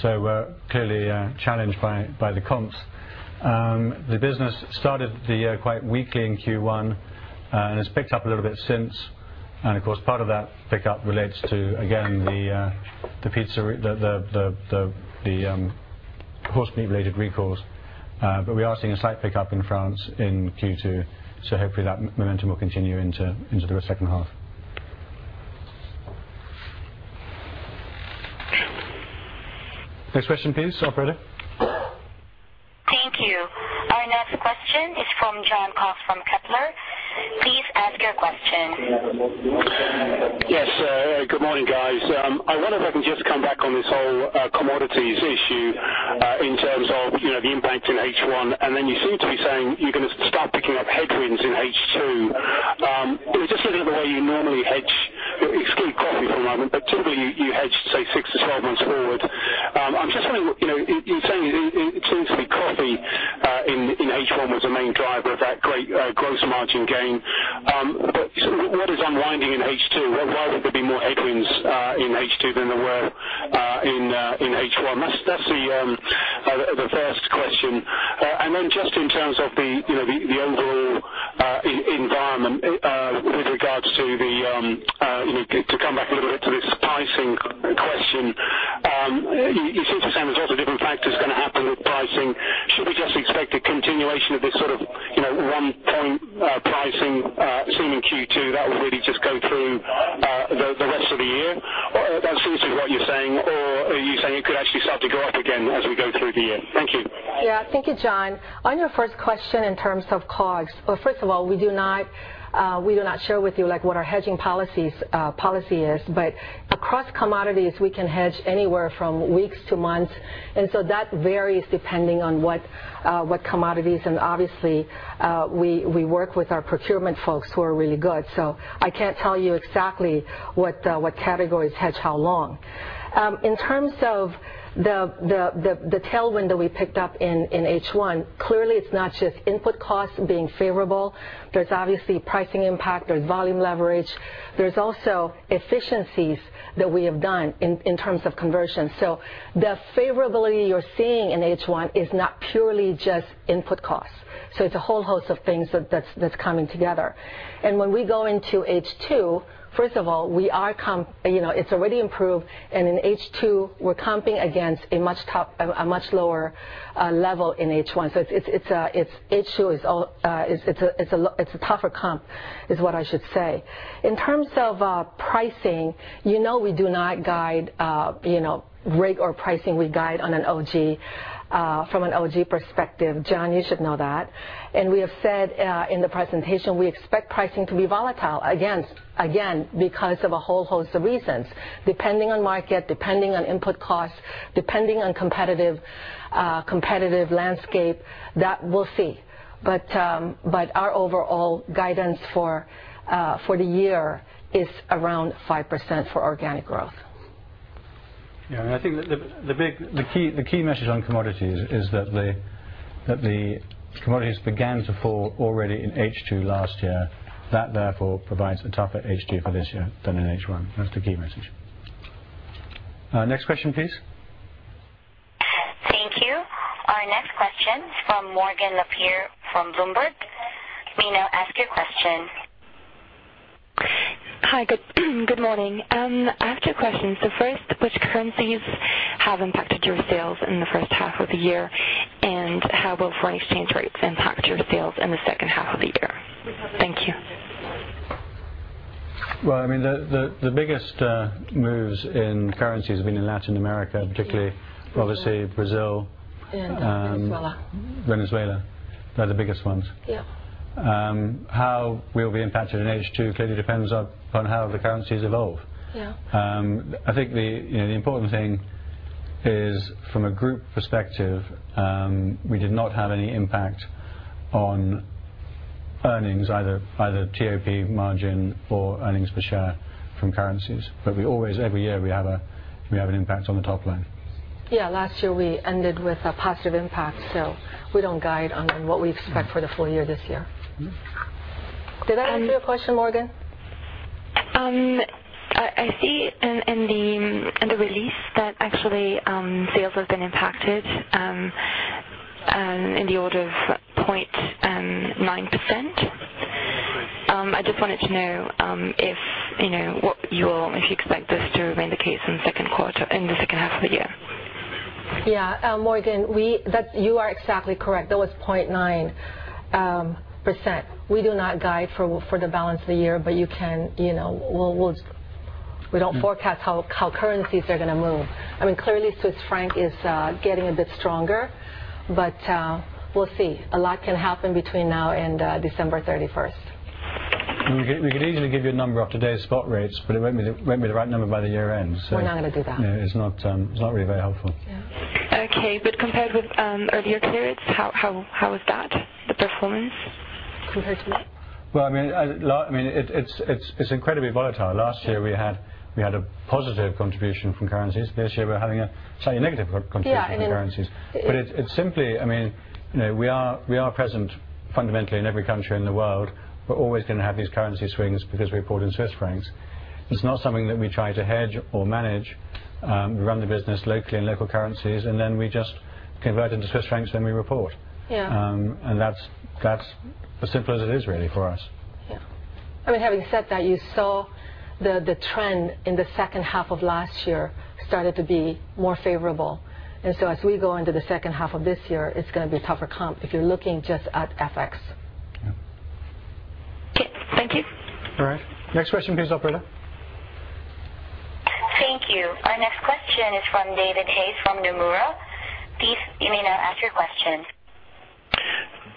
so we're clearly challenged by the comps. The business started the year quite weakly in Q1, and it's picked up a little bit since. Of course, part of that pickup relates to, again, the horse meat related recalls. We are seeing a slight pickup in France in Q2, so hopefully that momentum will continue into the second half. Next question please, operator. Thank you. Our next question is from Jon Cox from Kepler. Please ask your question. Yes. Good morning, guys. I wonder if I can just come back on this whole commodities issue in terms of the impact in H1, then you seem to be saying you're going to start picking up headwinds in H2. Just looking at the way you normally hedge, exclude coffee for a moment, but typically you hedge, say, six to 12 months forward. You're saying it seems to be coffee in H1 was the main driver of that great gross margin gain. What is unwinding in H2? Why would there be more headwinds in H2 than there were in H1? That's the first question. Just in terms of the overall environment with regards to the, to come back a little bit to this pricing question. You seem to be saying there's lots of different factors going to happen with pricing. Should we just expect a continuation of this sort of one point pricing seen in Q2 that will really just go through the rest of the year? That seems to be what you're saying, are you saying it could actually start to go up again as we go through the year? Thank you. Yeah. Thank you, Jon. On your first question in terms of COGS, first of all, we do not share with you like what our hedging policy is, across commodities, we can hedge anywhere from weeks to months. That varies depending on what commodities, and obviously, we work with our procurement folks who are really good. I can't tell you exactly what categories hedge how long. In terms of the tailwind that we picked up in H1, clearly it's not just input costs being favorable. There's obviously pricing impact, there's volume leverage. There's also efficiencies that we have done in terms of conversion. The favorability you're seeing in H1 is not purely just input costs. It's a whole host of things that's coming together. When we go into H2, first of all, it's already improved, and in H2, we're comping against a much lower level in H1. H2, it's a tougher comp, is what I should say. In terms of pricing, you know we do not guide rate or pricing. We guide from an OG perspective. Jon, you should know that. We have said in the presentation, we expect pricing to be volatile, again, because of a whole host of reasons. Depending on market, depending on input costs, depending on competitive landscape. That we'll see. Our overall guidance for the year is around 5% for organic growth. I think the key message on commodities is that the commodities began to fall already in H2 last year. That, therefore, provides a tougher H2 for this year than in H1. That's the key message. Next question, please. Thank you. Our next question is from Morgan LaPierre from Bloomberg. You may now ask your question. Hi, good morning. I have two questions. First, which currencies have impacted your sales in the first half of the year? How will foreign exchange rates impact your sales in the second half of the year? Thank you. Well, the biggest moves in currency has been in Latin America, particularly obviously Brazil- Venezuela. Venezuela. They're the biggest ones. Yeah. How we'll be impacted in H2 clearly depends upon how the currencies evolve. Yeah. I think the important thing is, from a group perspective, we did not have any impact on earnings, either TOP margin or earnings per share from currencies. We always, every year, we have an impact on the top line. Yeah. Last year we ended with a positive impact, we don't guide on what we expect for the full year this year. Did that answer your question, Morgan? I see in the release that actually sales have been impacted in the order of 0.9%. I just wanted to know if you expect this to remain the case in the second half of the year. Yeah. Morgan, you are exactly correct. That was 0.9%. We do not guide for the balance of the year, we don't forecast how currencies are going to move. Clearly Swiss franc is getting a bit stronger, we'll see. A lot can happen between now and December 31st. We could easily give you a number off today's spot rates, but it won't be the right number by the year end. We're not going to do that. No, it's not really very helpful. Okay, compared with earlier periods, how is that, the performance? Compared to what? It's incredibly volatile. Last year we had a positive contribution from currencies. This year we're having a slightly negative contribution from currencies. Yeah. It's simply, we are present fundamentally in every country in the world. We're always going to have these currency swings because we report in Swiss francs. It's not something that we try to hedge or manage. We run the business locally in local currencies, then we just convert into Swiss francs when we report. Yeah. That's as simple as it is, really, for us. Yeah. Having said that, you saw the trend in the second half of last year started to be more favorable. As we go into the second half of this year, it's going to be a tougher comp if you're looking just at FX. Yeah. Okay. Thank you. All right. Next question please, operator. Thank you. Our next question is from David Hayes from Nomura. Please, you may now ask your question.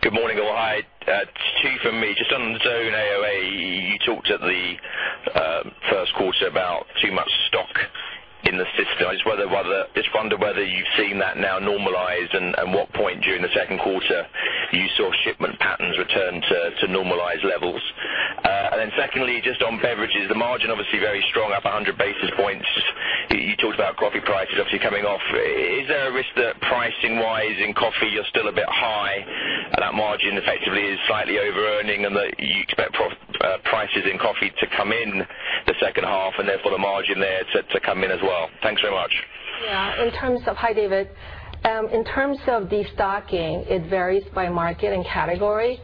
Good morning. Well, hi. Two from me. On the zone AOA, you talked at the first quarter about too much stock in the system. Wonder whether you've seen that now normalize and at what point during the second quarter you saw shipment patterns return to normalized levels. Secondly, on beverages, the margin, obviously very strong, up 100 basis points. You talked about coffee prices obviously coming off. Is there a risk that pricing-wise in coffee, you're still a bit high, and that margin effectively is slightly over-earning and that you expect prices in coffee to come in the second half, and therefore the margin there to come in as well? Thanks very much. Hi, David. In terms of destocking, it varies by market and category.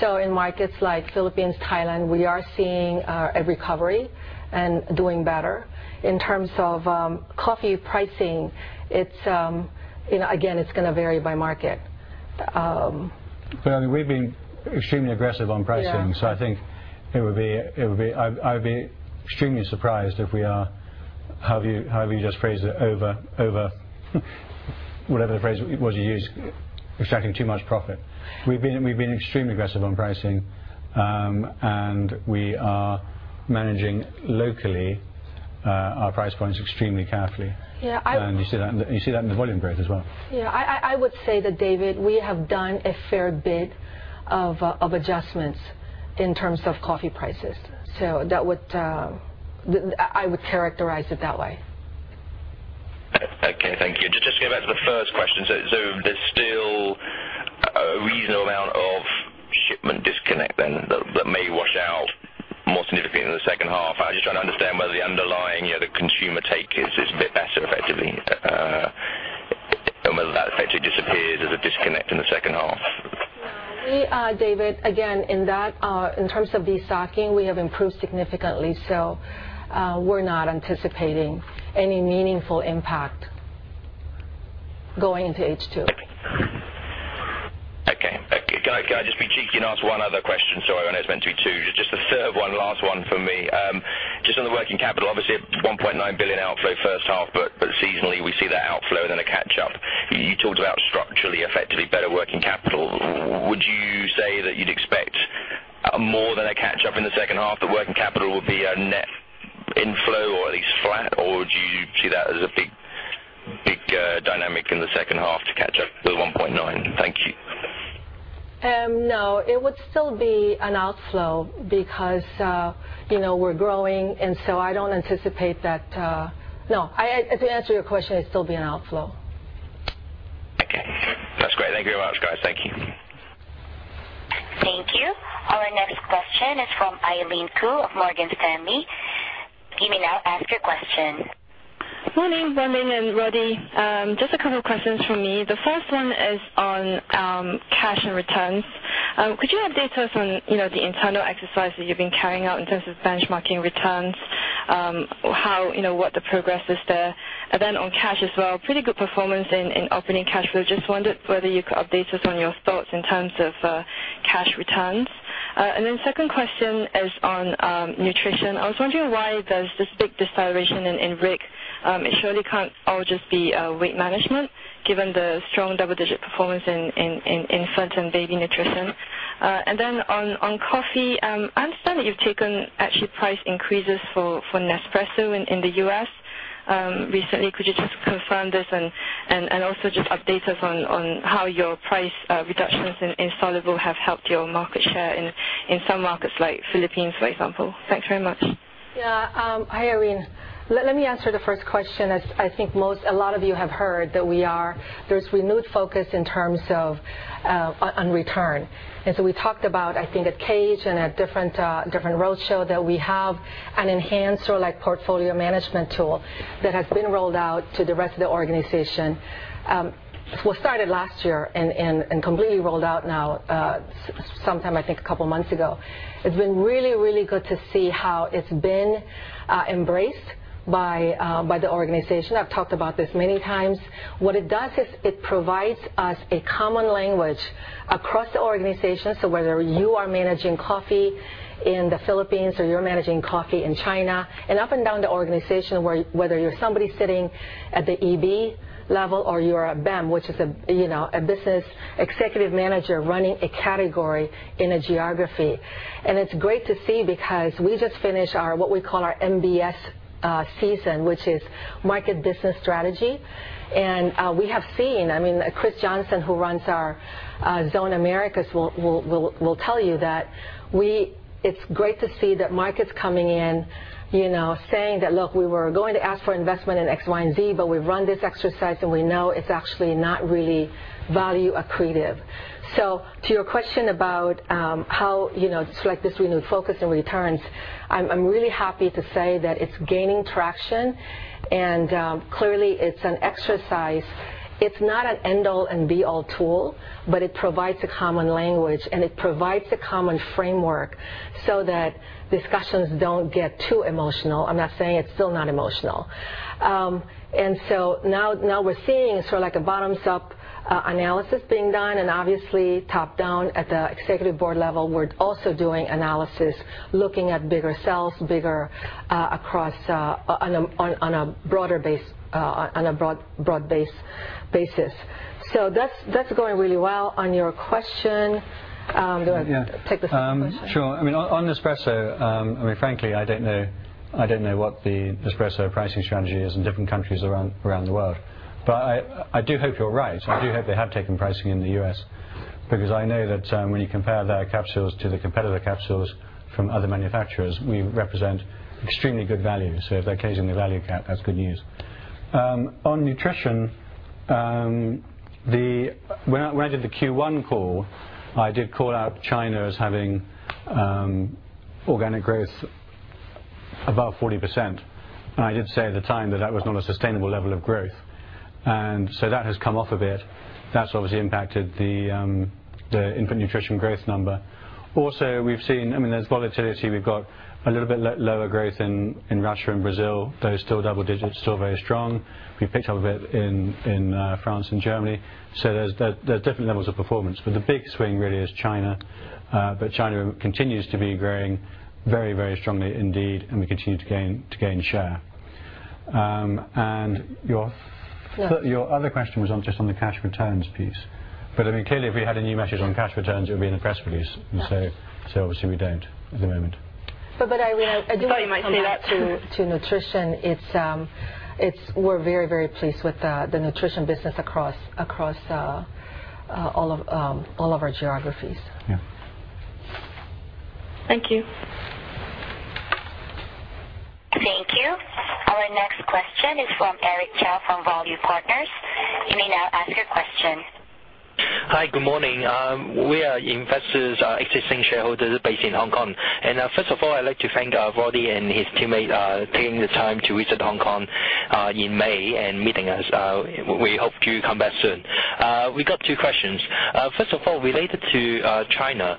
In markets like Philippines, Thailand, we are seeing a recovery and doing better. In terms of coffee pricing, again, it's going to vary by market. We've been extremely aggressive on pricing. Yeah. I think I would be extremely surprised if we are, however you just phrased it, over, whatever the phrase was you used, extracting too much profit. We've been extremely aggressive on pricing, and we are managing locally our price points extremely carefully. Yeah. You see that in the volume growth as well. Yeah. I would say that, David, we have done a fair bit of adjustments in terms of coffee prices. I would characterize it that way. Okay. Thank you. Just to go back to the first question, there's still a reasonable amount of shipment disconnect, then, that may wash out more significantly in the second half. I was just trying to understand whether the underlying, the consumer take is a bit better, effectively, and whether that effectively disappears as a disconnect in the second half. No. David, again, in terms of destocking, we have improved significantly. We're not anticipating any meaningful impact going into H2. Okay. Can I just be cheeky and ask one other question? Sorry, I know it was meant to be two. Just a third one, last one from me. Just on the working capital, obviously a 1.9 billion outflow first half. Seasonally we see that outflow, then a catch-up. You talked about structurally effectively better working capital. Would you say that you'd expect more than a catch-up in the second half, that working capital would be a net inflow or at least flat? Do you see that as a big dynamic in the second half to catch up the 1.9 billion? Thank you. No. It would still be an outflow because we're growing, I don't anticipate that. To answer your question, it'd still be an outflow. Okay. That's great. Thank you very much, guys. Thank you. Thank you. Our next question is from Eileen Ku of Morgan Stanley. You may now ask your question. Morning, Wan Ling and Roddy. Just a couple questions from me. The first one is on cash and returns. Could you update us on the internal exercise that you've been carrying out in terms of benchmarking returns? What the progress is there? On cash as well, pretty good performance in operating cash flow. Just wondered whether you could update us on your thoughts in terms of cash returns. Second question is on nutrition. I was wondering why there's this big deceleration in RIG. It surely can't all just be weight management given the strong double-digit performance in infant and baby nutrition. On coffee, I understand that you've taken actually price increases for Nespresso in the U.S. recently. Could you just confirm this and also just update us on how your price reductions in Soluble have helped your market share in some markets like Philippines, for example? Thanks very much. Hi, Eileen. Let me answer the first question, as I think a lot of you have heard that there's renewed focus in terms of on return. We talked about, I think at CAGNY and at different roadshow that we have an enhanced portfolio management tool that has been rolled out to the rest of the organization. Well, it started last year and completely rolled out now, sometime, I think, a couple of months ago. It's been really good to see how it's been embraced by the organization. I've talked about this many times. What it does is it provides us a common language across the organization, so whether you are managing coffee in the Philippines or you're managing coffee in China, and up and down the organization, whether you're somebody sitting at the EB level or you are a BEM, which is a business executive manager running a category in a geography. It's great to see because we just finished what we call our MBS season, which is market business strategy. We have seen, Chris Johnson, who runs our Zone Americas, will tell you that it's great to see the markets coming in saying that, "Look, we were going to ask for investment in X, Y, and Z, but we've run this exercise and we know it's actually not really value accretive." To your question about how this renewed focus on returns, I'm really happy to say that it's gaining traction and clearly it's an exercise. It's not an end-all and be-all tool, but it provides a common language and it provides a common framework so that discussions don't get too emotional. I'm not saying it's still not emotional. Now we're seeing sort of like a bottoms-up analysis being done and obviously top-down at the Executive Board level. We're also doing analysis, looking at bigger cells on a broad-based basis. That's going really well. On your question, do you want to take the second question? Sure. On Nespresso, frankly, I don't know what the Nespresso pricing strategy is in different countries around the world. I do hope you're right. I do hope they have taken pricing in the U.S., because I know that when you compare their capsules to the competitor capsules from other manufacturers, we represent extremely good value. If they're casing the value cap, that's good news. On Nutrition, when I did the Q1 call, I did call out China as having organic growth above 40%. I did say at the time that that was not a sustainable level of growth. That has come off a bit. That's obviously impacted the infant Nutrition growth number. Also, we've seen, there's volatility. We've got a little bit lower growth in Russia and Brazil, though still double digits, still very strong. We've picked up a bit in France and Germany. There's different levels of performance. The big swing really is China. China continues to be growing very strongly indeed, and we continue to gain share. Your other question was just on the cash returns piece. Clearly, if we had a new message on cash returns, it would be in the press release. Yes. Obviously we don't at the moment. I do want to come back to nutrition. We're very pleased with the nutrition business across all of our geographies. Yeah. Thank you. Thank you. Our next question is from Eric Zhao from Value Partners. You may now ask your question. Hi, good morning. We are investors, existing shareholders based in Hong Kong. First of all, I'd like to thank Roddy and his teammate taking the time to visit Hong Kong in May and meeting us. We hope you come back soon. We got two questions. First of all, related to China.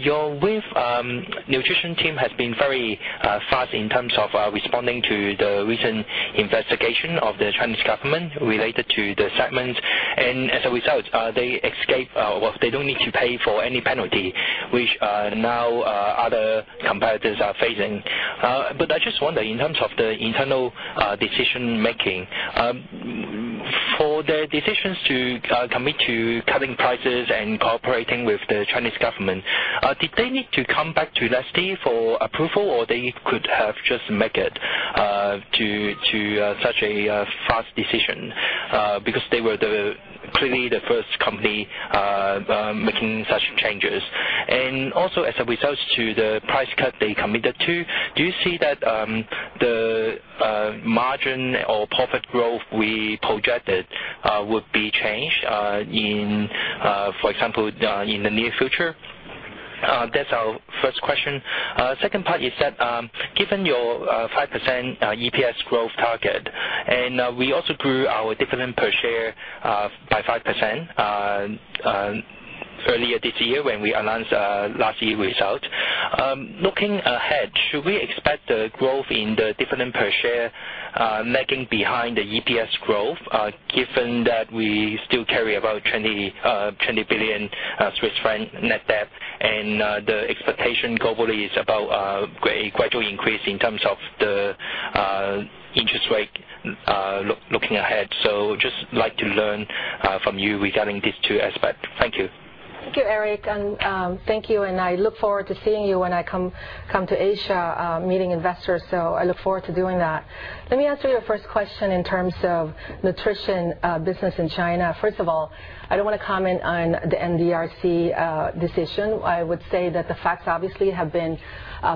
Your nutrition team has been very fast in terms of responding to the recent investigation of the Chinese government related to the segment, and as a result, they don't need to pay for any penalty, which now other competitors are facing. I just wonder, in terms of the internal decision making, for the decisions to commit to cutting prices and cooperating with the Chinese government, did they need to come back to Nestlé for approval, or they could have just make it to such a fast decision? They were clearly the first company making such changes. Also, as a result to the price cut they committed to, do you see that the margin or profit growth we projected would be changed in, for example, the near future? That's our first question. Second part is that, given your 5% EPS growth target, and we also grew our dividend per share by 5% earlier this year when we announced last year result. Looking ahead, should we expect the growth in the dividend per share lagging behind the EPS growth, given that we still carry about 20 billion Swiss franc net debt and the expectation globally is about a gradual increase in terms of the interest rate looking ahead. Just like to learn from you regarding these two aspects. Thank you. Thank you, Eric, and thank you. I look forward to seeing you when I come to Asia, meeting investors. I look forward to doing that. Let me answer your first question in terms of nutrition business in China. First of all, I don't want to comment on the NDRC decision. I would say that the facts obviously have been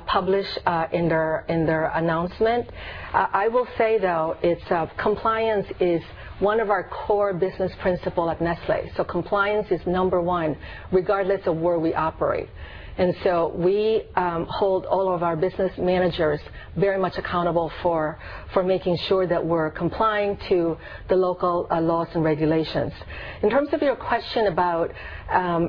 published in their announcement. I will say, though, compliance is one of our core business principle at Nestlé. Compliance is number one, regardless of where we operate. We hold all of our business managers very much accountable for making sure that we're complying to the local laws and regulations. In terms of your question about,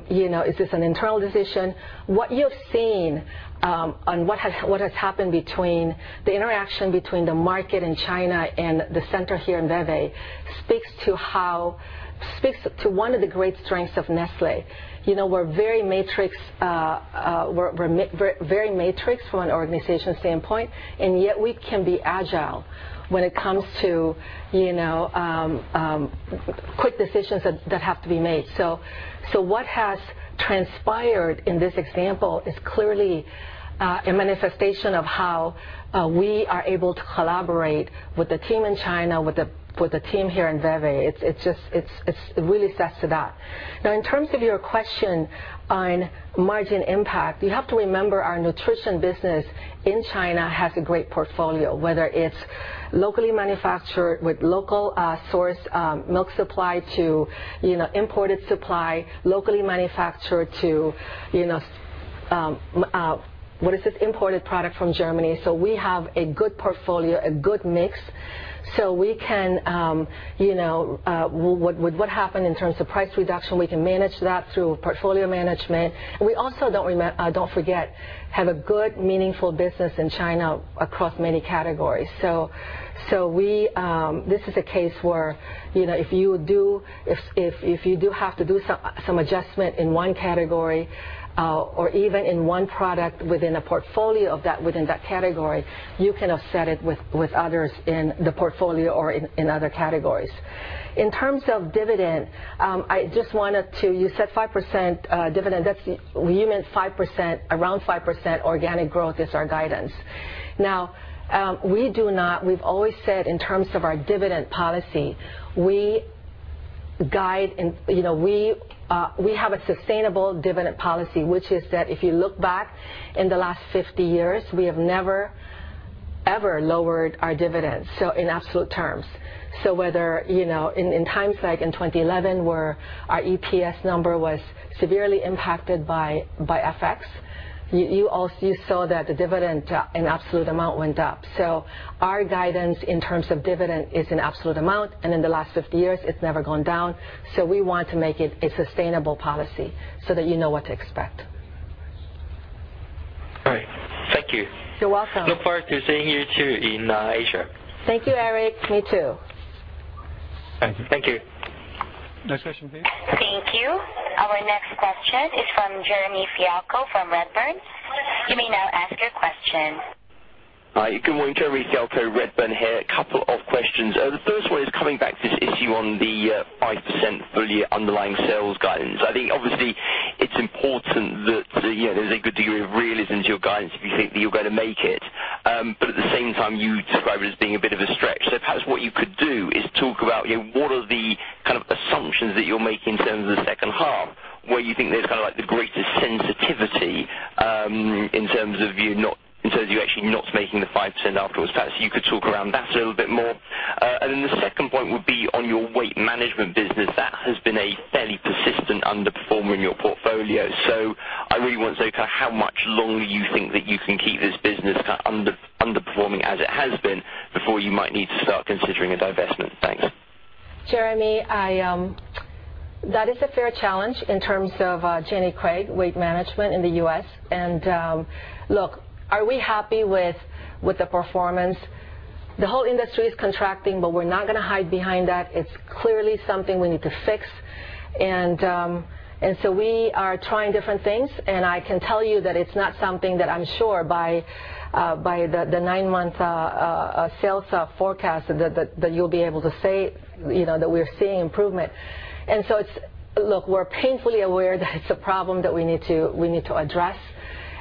is this an internal decision? What you've seen on what has happened between the interaction between the market in China and the center here in Vevey speaks to one of the great strengths of Nestlé. We're very matrix from an organization standpoint, and yet we can be agile when it comes to quick decisions that have to be made. What has transpired in this example is clearly a manifestation of how we are able to collaborate with the team in China, with the team here in Vevey. It really sets it up. In terms of your question on margin impact, you have to remember our nutrition business in China has a great portfolio, whether it's locally manufactured with local source milk supply to imported supply, locally manufactured to imported product from Germany. We have a good portfolio, a good mix. With what happened in terms of price reduction, we can manage that through portfolio management. We also, don't forget, have a good, meaningful business in China across many categories. This is a case where if you do have to do some adjustment in one category or even in one product within a portfolio within that category, you can offset it with others in the portfolio or in other categories. In terms of dividend, you said 5% dividend. We meant around 5% organic growth is our guidance. We've always said in terms of our dividend policy, we have a sustainable dividend policy, which is that if you look back in the last 50 years, we have never, ever lowered our dividends, so in absolute terms. In times like in 2011, where our EPS number was severely impacted by FX, you saw that the dividend in absolute amount went up. Our guidance in terms of dividend is an absolute amount, and in the last 50 years, it's never gone down. We want to make it a sustainable policy so that you know what to expect. All right. Thank you. You're welcome. Look forward to seeing you too in Asia. Thank you, Eric. Me too. Thank you. Next question, please. Thank you. Our next question is from Jeremy Fialko from Redburn. You may now ask your question. Hi, good morning. Jeremy Fialko, Redburn here. A couple of questions. The first one is coming back to this issue on the 5% full year underlying sales guidance. I think obviously it's important that there's a good degree of realism to your guidance if you think that you're going to make it. At the same time, you describe it as being a bit of a stretch. Perhaps what you could do is talk about what are the kind of assumptions that you're making in terms of the second half, where you think there's kind of like the greatest sensitivity in terms of you actually not making the 5% afterwards. Perhaps you could talk around that a little bit more. Then the second point would be on your weight management business. That has been a fairly persistent underperformer in your portfolio. I really wonder, kind of how much longer you think that you can keep this business kind of underperforming as it has been before you might need to start considering a divestment? Thanks. Jeremy, that is a fair challenge in terms of Jenny Craig, weight management in the U.S. Look, are we happy with the performance? The whole industry is contracting, but we're not going to hide behind that. It's clearly something we need to fix. We are trying different things, and I can tell you that it's not something that I'm sure by the nine-month sales forecast that you'll be able to say that we're seeing improvement. Look, we're painfully aware that it's a problem that we need to address.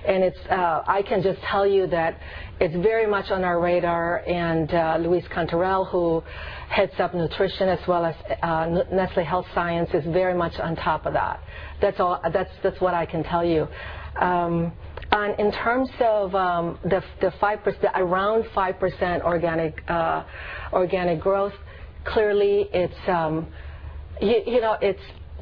I can just tell you that it's very much on our radar, and Luis Cantarell, who heads up nutrition as well as Nestlé Health Science, is very much on top of that. That's what I can tell you. In terms of around 5% organic growth, clearly,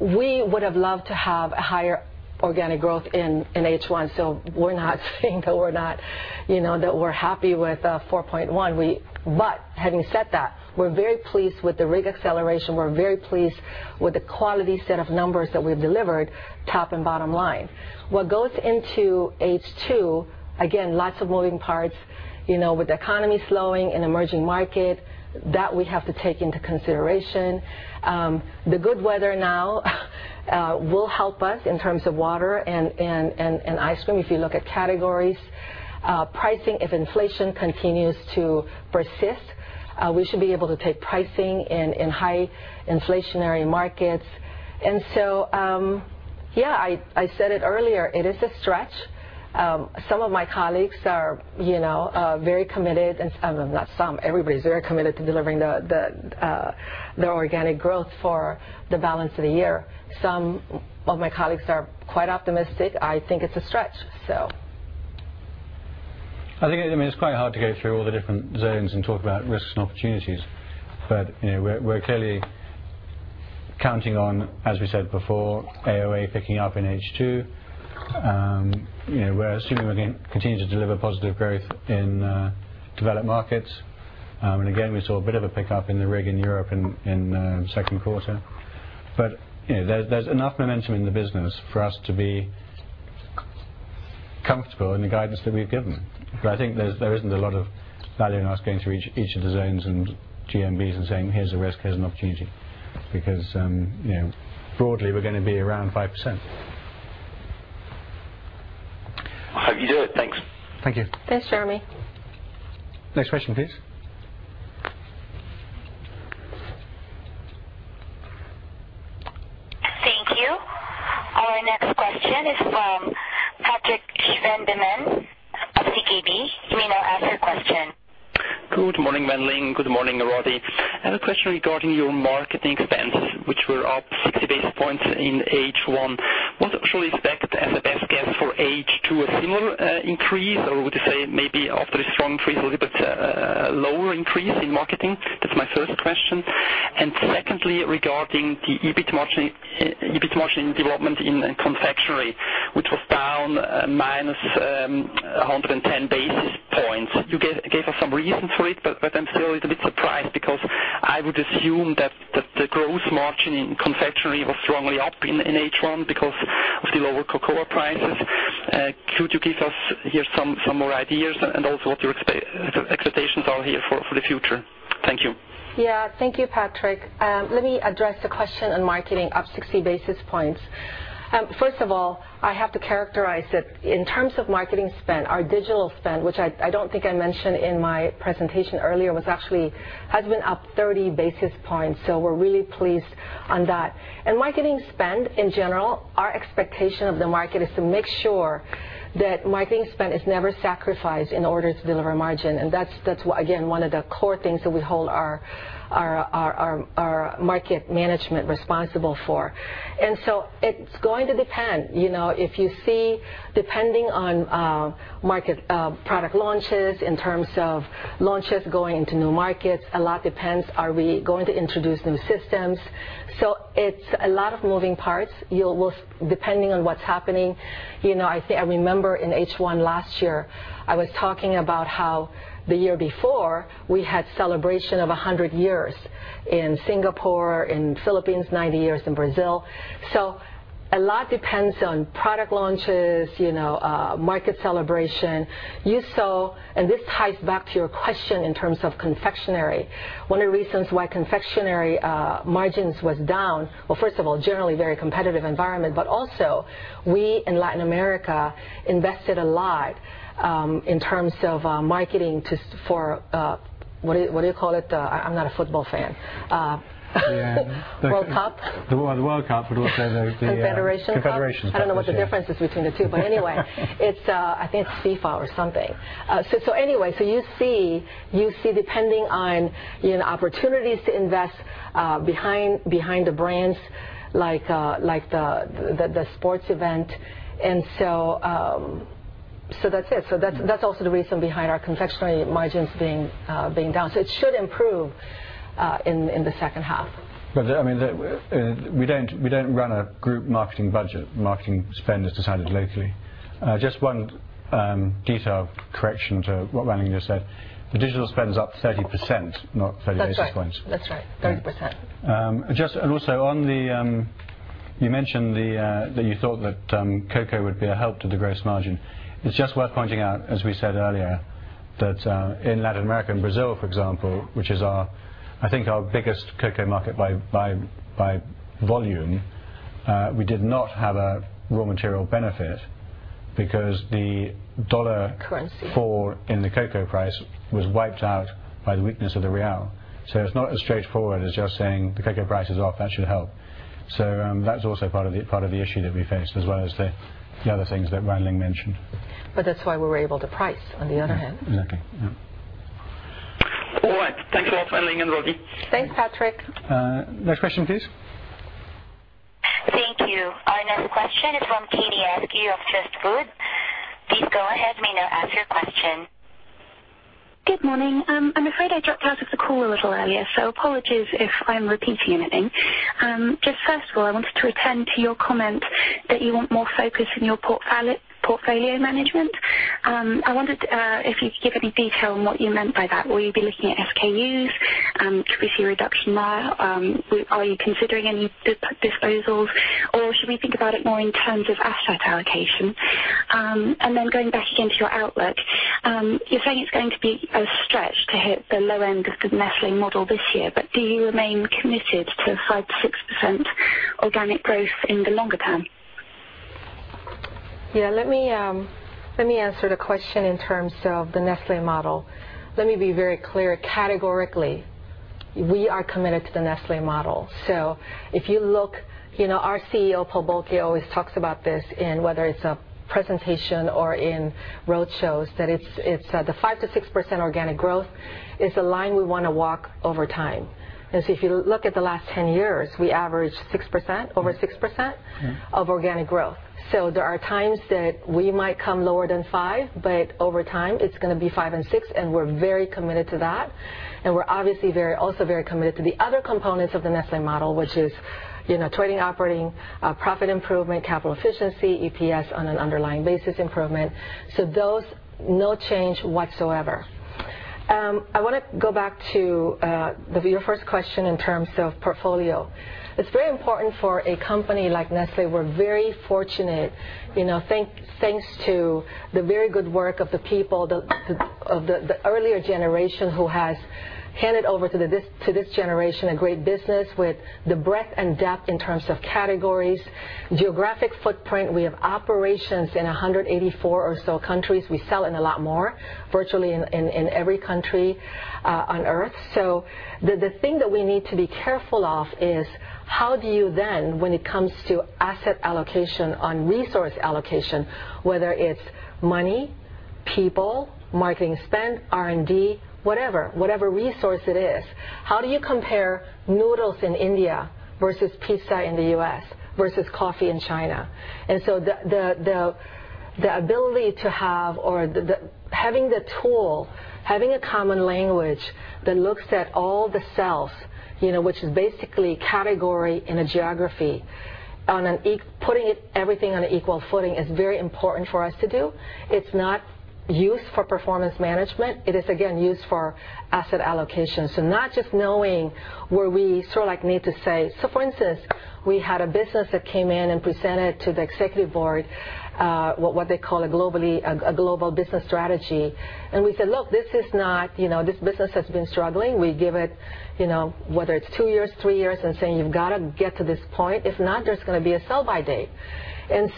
we would have loved to have higher organic growth in H1. We're not saying that we're happy with 4.1. Having said that, we're very pleased with the RIG acceleration. We're very pleased with the quality set of numbers that we've delivered, top and bottom line. What goes into H2, again, lots of moving parts. With the economy slowing in emerging market, that we have to take into consideration. The good weather now will help us in terms of water and ice cream, if you look at categories. Pricing, if inflation continues to persist, we should be able to take pricing in high inflationary markets. Yeah, I said it earlier, it is a stretch. Some of my colleagues are very committed, not some, everybody's very committed to delivering their organic growth for the balance of the year. Some of my colleagues are quite optimistic. I think it's a stretch. I think it's quite hard to go through all the different zones and talk about risks and opportunities. We're clearly counting on, as we said before, AOA picking up in H2. We're assuming we're going to continue to deliver positive growth in developed markets. Again, we saw a bit of a pickup in the RIG in Europe in the second quarter. There's enough momentum in the business for us to be comfortable in the guidance that we've given. I think there isn't a lot of value in us going through each of the zones and GMBs and saying, "Here's a risk, here's an opportunity," because broadly, we're going to be around 5%. I hope you do it. Thanks. Thank you. Thanks, Jeremy. Next question, please. Thank you. Our next question is from Patrick Schwanedemann of DKB. You may now ask your question. Good morning, Wan Ling. Good morning, Roddy. I have a question regarding your marketing expense, which were up 60 basis points in H1. What should we expect as a best guess for H2? A similar increase, or would you say maybe after a strong increase, a little bit lower increase in marketing? That's my first question. Secondly, regarding the EBIT margin development in confectionery, which was down -110 basis points. You gave us some reasons for it, but I am still a bit surprised because I would assume that the gross margin in confectionery was strongly up in H1 because of the lower cocoa prices. Could you give us here some more ideas and also what your expectations are here for the future? Thank you. Thank you, Patrick. Let me address the question on marketing up 60 basis points. First of all, I have to characterize that in terms of marketing spend, our digital spend, which I don't think I mentioned in my presentation earlier, has been up 30 basis points, so we're really pleased on that. Marketing spend, in general, our expectation of the market is to make sure that marketing spend is never sacrificed in order to deliver margin. That's, again, one of the core things that we hold our market management responsible for. It's going to depend. If you see, depending on market product launches, in terms of launches going into new markets, a lot depends, are we going to introduce new systems? It's a lot of moving parts. Depending on what's happening. I remember in H1 last year, I was talking about how the year before, we had celebration of 100 years in Singapore, in Philippines, 90 years in Brazil. A lot depends on product launches, market celebration. You saw, this ties back to your question in terms of confectionery. One of the reasons why confectionery margins was down, well, first of all, generally very competitive environment, also we, in Latin America, invested a lot, in terms of marketing for, what do you call it? I'm not a football fan. Yeah. World Cup? The World Cup, also the Confederations Cup? Confederations Cup, yes. I don't know what the difference is between the two, but anyway. I think it's FIFA or something. Anyway, you see, depending on opportunities to invest behind the brands like the sports event, that's it. That's also the reason behind our confectionery margins being down. It should improve in the second half. We don't run a group marketing budget. Marketing spend is decided locally. Just one detail correction to what Wan Ling just said. The digital spend's up 30%, not 30 basis points. That's right, 30%. You mentioned that you thought that cocoa would be a help to the gross margin. It's just worth pointing out, as we said earlier, that in Latin America and Brazil for example, which is, I think, our biggest cocoa market by volume, we did not have a raw material benefit because the dollar- Currency fall in the cocoa price was wiped out by the weakness of the real. It's not as straightforward as just saying the cocoa price is up, that should help. That's also part of the issue that we faced as well as the other things that Wan Ling mentioned. That's why we were able to price, on the other hand. Exactly, yeah. All right. Thanks a lot, Wan Ling and Roddy. Thanks, Patrick. Next question, please. Thank you. Our next question is from Katie Askew of Trust Food. Please go ahead, Katie, ask your question. Good morning. I'm afraid I dropped out of the call a little earlier, so apologies if I'm repeating anything. First of all, I wanted to return to your comment that you want more focus in your portfolio management. I wondered if you could give any detail on what you meant by that. Will you be looking at SKUs? Should we see a reduction there? Are you considering any disposals, or should we think about it more in terms of asset allocation? Going back again to your outlook, you're saying it's going to be a stretch to hit the low end of the Nestlé model this year, but do you remain committed to 5%-6% organic growth in the longer term? Let me answer the question in terms of the Nestlé model. Let me be very clear, categorically, we are committed to the Nestlé model. If you look, our CEO, Paul Bulcke, always talks about this in whether it's a presentation or in roadshows, that it's the 5%-6% organic growth is a line we want to walk over time. If you look at the last 10 years, we averaged over 6% of organic growth. There are times that we might come lower than 5%, but over time it's going to be 5% and 6%, and we're very committed to that. We're obviously also very committed to the other components of the Nestlé model, which is trading, operating, profit improvement, capital efficiency, EPS on an underlying basis improvement. Those, no change whatsoever. I want to go back to your first question in terms of portfolio. It's very important for a company like Nestlé. We're very fortunate. Thanks to the very good work of the people of the earlier generation who has handed over to this generation a great business with the breadth and depth in terms of categories, geographic footprint. We have operations in 184 or so countries. We sell in a lot more, virtually in every country on Earth. The thing that we need to be careful of is how do you then, when it comes to asset allocation on resource allocation, whether it's money, people, marketing spend, R&D, whatever resource it is, how do you compare noodles in India versus pizza in the U.S. versus coffee in China? Having the tool, having a common language that looks at all the cells, which is basically category in a geography, putting everything on an equal footing is very important for us to do. It is not used for performance management. It is, again, used for asset allocation. Not just knowing where we sort of need to say. For instance, we had a business that came in and presented to the Executive Board what they call a Global Business Strategy. We said, "Look, this business has been struggling. We give it whether it is two years, three years, and saying, you have got to get to this point. If not, there is going to be a sell-by date."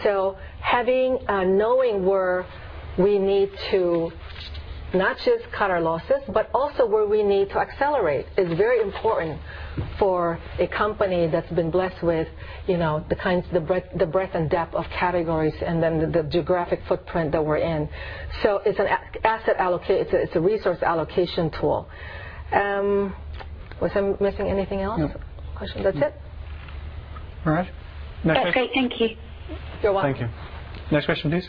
Knowing where we need to not just cut our losses, but also where we need to accelerate is very important for a company that has been blessed with the breadth and depth of categories and then the geographic footprint that we are in. It is a resource allocation tool. Was I missing anything else? No. Questions? That is it. All right. Next question. That's great. Thank you. You're welcome. Thank you. Next question, please.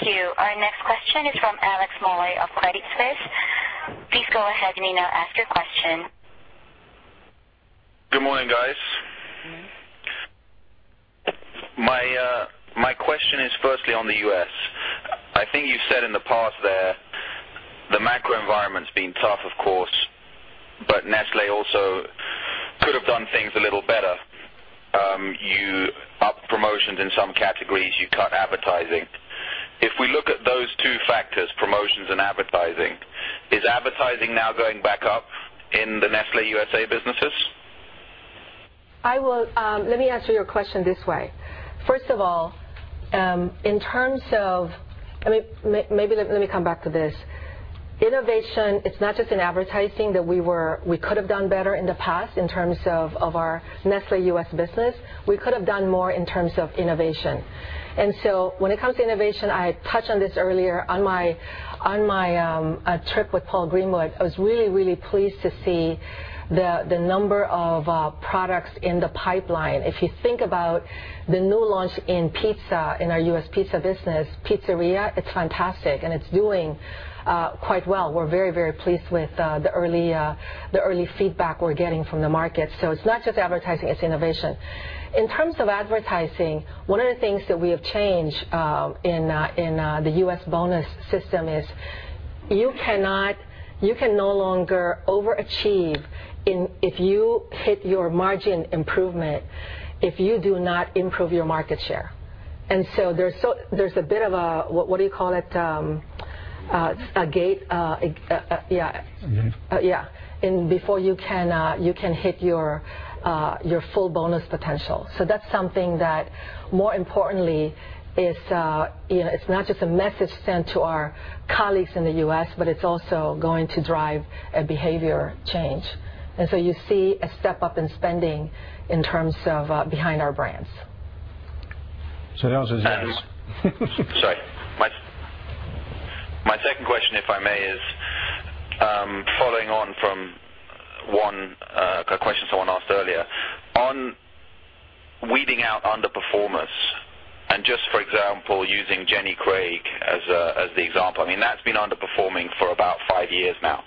Thank you. Our next question is from Alex Molloy of Credit Suisse. Please go ahead and now ask your question. Good morning, guys. My question is firstly on the U.S. I think you said in the past there, the macro environment's been tough, of course, but Nestlé also could have done things a little better. You up promotions in some categories, you cut advertising. If we look at those two factors, promotions and advertising, is advertising now going back up in the Nestlé U.S.A. businesses? Let me answer your question this way. First of all, maybe let me come back to this. Innovation, it's not just in advertising that we could have done better in the past in terms of our Nestlé U.S. business. We could have done more in terms of innovation. When it comes to innovation, I touched on this earlier on my trip with Paul Greenwood. I was really pleased to see the number of products in the pipeline. If you think about the new launch in pizza, in our U.S. pizza business, Pizzeria, it's fantastic, and it's doing quite well. We're very pleased with the early feedback we're getting from the market. It's not just advertising, it's innovation. In terms of advertising, one of the things that we have changed in the U.S. bonus system is you can no longer overachieve if you hit your margin improvement if you do not improve your market share. There's a bit of a, what do you call it? A gate. Yeah. Before you can hit your full bonus potential. That's something that more importantly is, it's not just a message sent to our colleagues in the U.S., but it's also going to drive a behavior change. You see a step up in spending in terms of behind our brands. So that was- Sorry. My second question, if I may, is following on from a question someone asked earlier. On weeding out underperformers, just for example, using Jenny Craig as the example. That's been underperforming for about five years now.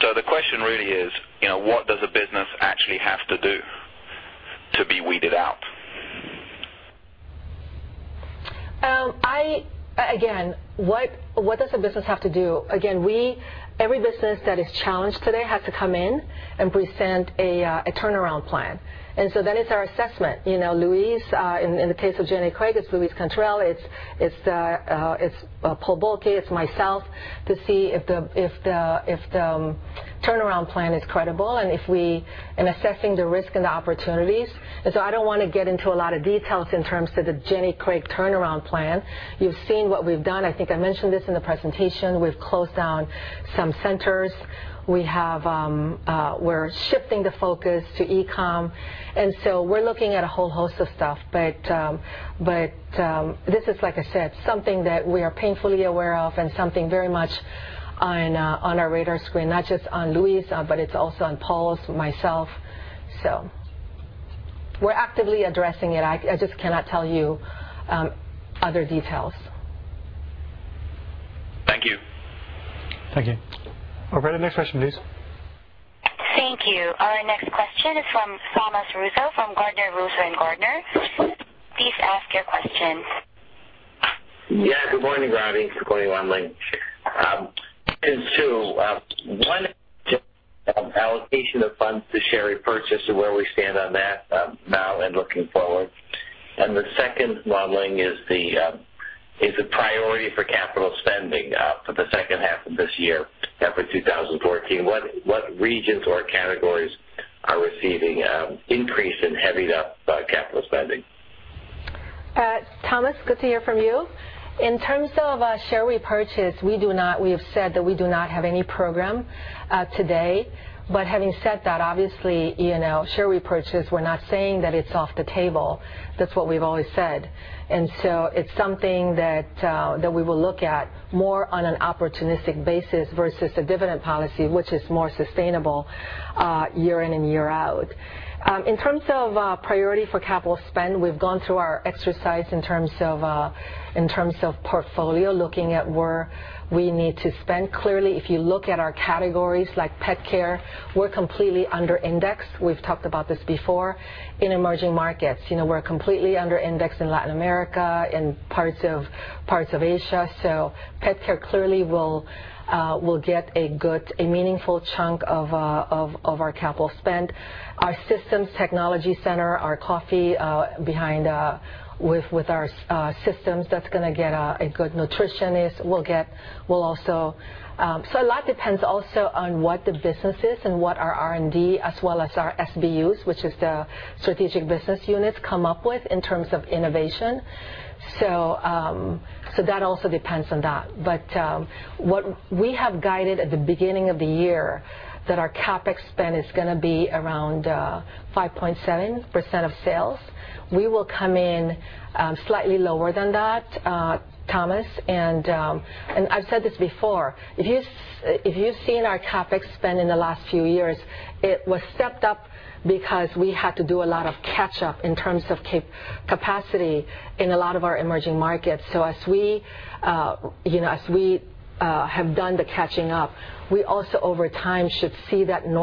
The question really is, what does a business actually have to do to be weeded out? Again, what does a business have to do? Every business that is challenged today has to come in and present a turnaround plan. It's our assessment. In the case of Jenny Craig, it's Luis Cantarell, it's Paul Bulcke, it's myself, to see if the turnaround plan is credible and assessing the risk and the opportunities. I don't want to get into a lot of details in terms of the Jenny Craig turnaround plan. You've seen what we've done. I think I mentioned this in the presentation. We've closed down some centers. We're shifting the focus to e-com. We're looking at a whole host of stuff. This is, like I said, something that we are painfully aware of and something very much on our radar screen, not just on Luis, but it's also on Paul's, myself. We're actively addressing it. I just cannot tell you other details. Thank you. Thank you. All right, next question, please. Thank you. Our next question is from Thomas Russo from Gardner Russo & Gardner. Yes, please. Please ask your question. Good morning, Roddy. Good morning, Wan Ling. Two. One, allocation of funds to share repurchase and where we stand on that now and looking forward. The second, Wan Ling, is the priority for capital spending for the second half of this year, half of 2014. What regions or categories are receiving increase in heavy capital spending? Thomas, good to hear from you. In terms of share repurchase, we have said that we do not have any program today. Having said that, obviously, share repurchase, we're not saying that it's off the table. That's what we've always said. It's something that we will look at more on an opportunistic basis versus a dividend policy, which is more sustainable year in and year out. In terms of priority for capital spend, we've gone through our exercise in terms of portfolio, looking at where we need to spend. Clearly, if you look at our categories, like pet care, we're completely under indexed. We've talked about this before. In emerging markets. We're completely under indexed in Latin America, in parts of Asia. Pet care clearly will get a meaningful chunk of our capital spend. Our systems technology center, our coffee behind with our systems, that's going to get a good Nutrition. A lot depends also on what the business is and what our R&D, as well as our SBUs, which is the Strategic Business Units, come up with in terms of innovation. That also depends on that. What we have guided at the beginning of the year, that our CapEx spend is going to be around 5.7% of sales. We will come in slightly lower than that, Thomas. I've said this before, if you've seen our CapEx spend in the last few years, it was stepped up because we had to do a lot of catch-up in terms of capacity in a lot of our emerging markets. As we have done the catching up, we also over time should see that trend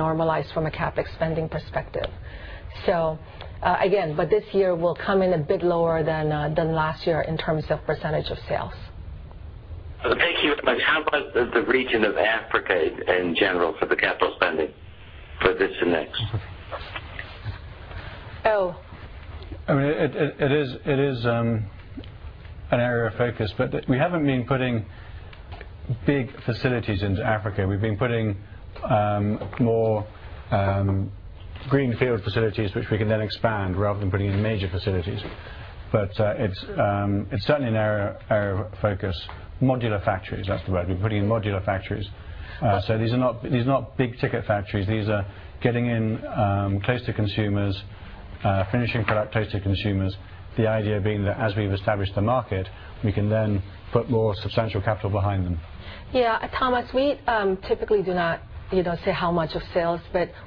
normalize from a CapEx spending perspective. Again, this year will come in a bit lower than last year in terms of percentage of sales. Thank you very much. How about the region of Africa in general for the capital spending for this and next? Al? We haven't been putting big facilities into Africa. We've been putting more greenfield facilities, which we can then expand rather than putting in major facilities. It's certainly an area of focus. Modular factories, that's the word. We're putting in modular factories. These are not big-ticket factories. These are getting in close to consumers, finishing product close to consumers. The idea being that as we've established the market, we can then put more substantial capital behind them. Thomas, we typically do not say how much of sales,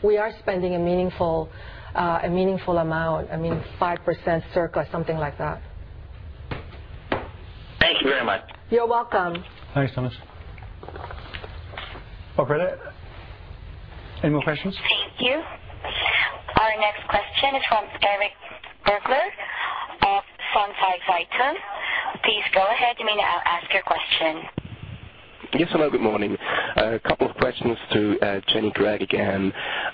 we are spending a meaningful amount, 5% circa, something like that. Thank you very much. You're welcome. Thanks, Thomas. Operator, any more questions? Thank you. Our next question is from Eric Berglor of Sandton. Please go ahead, you may now ask your question. Yes, hello, good morning. A couple of questions to Jenny Craig again.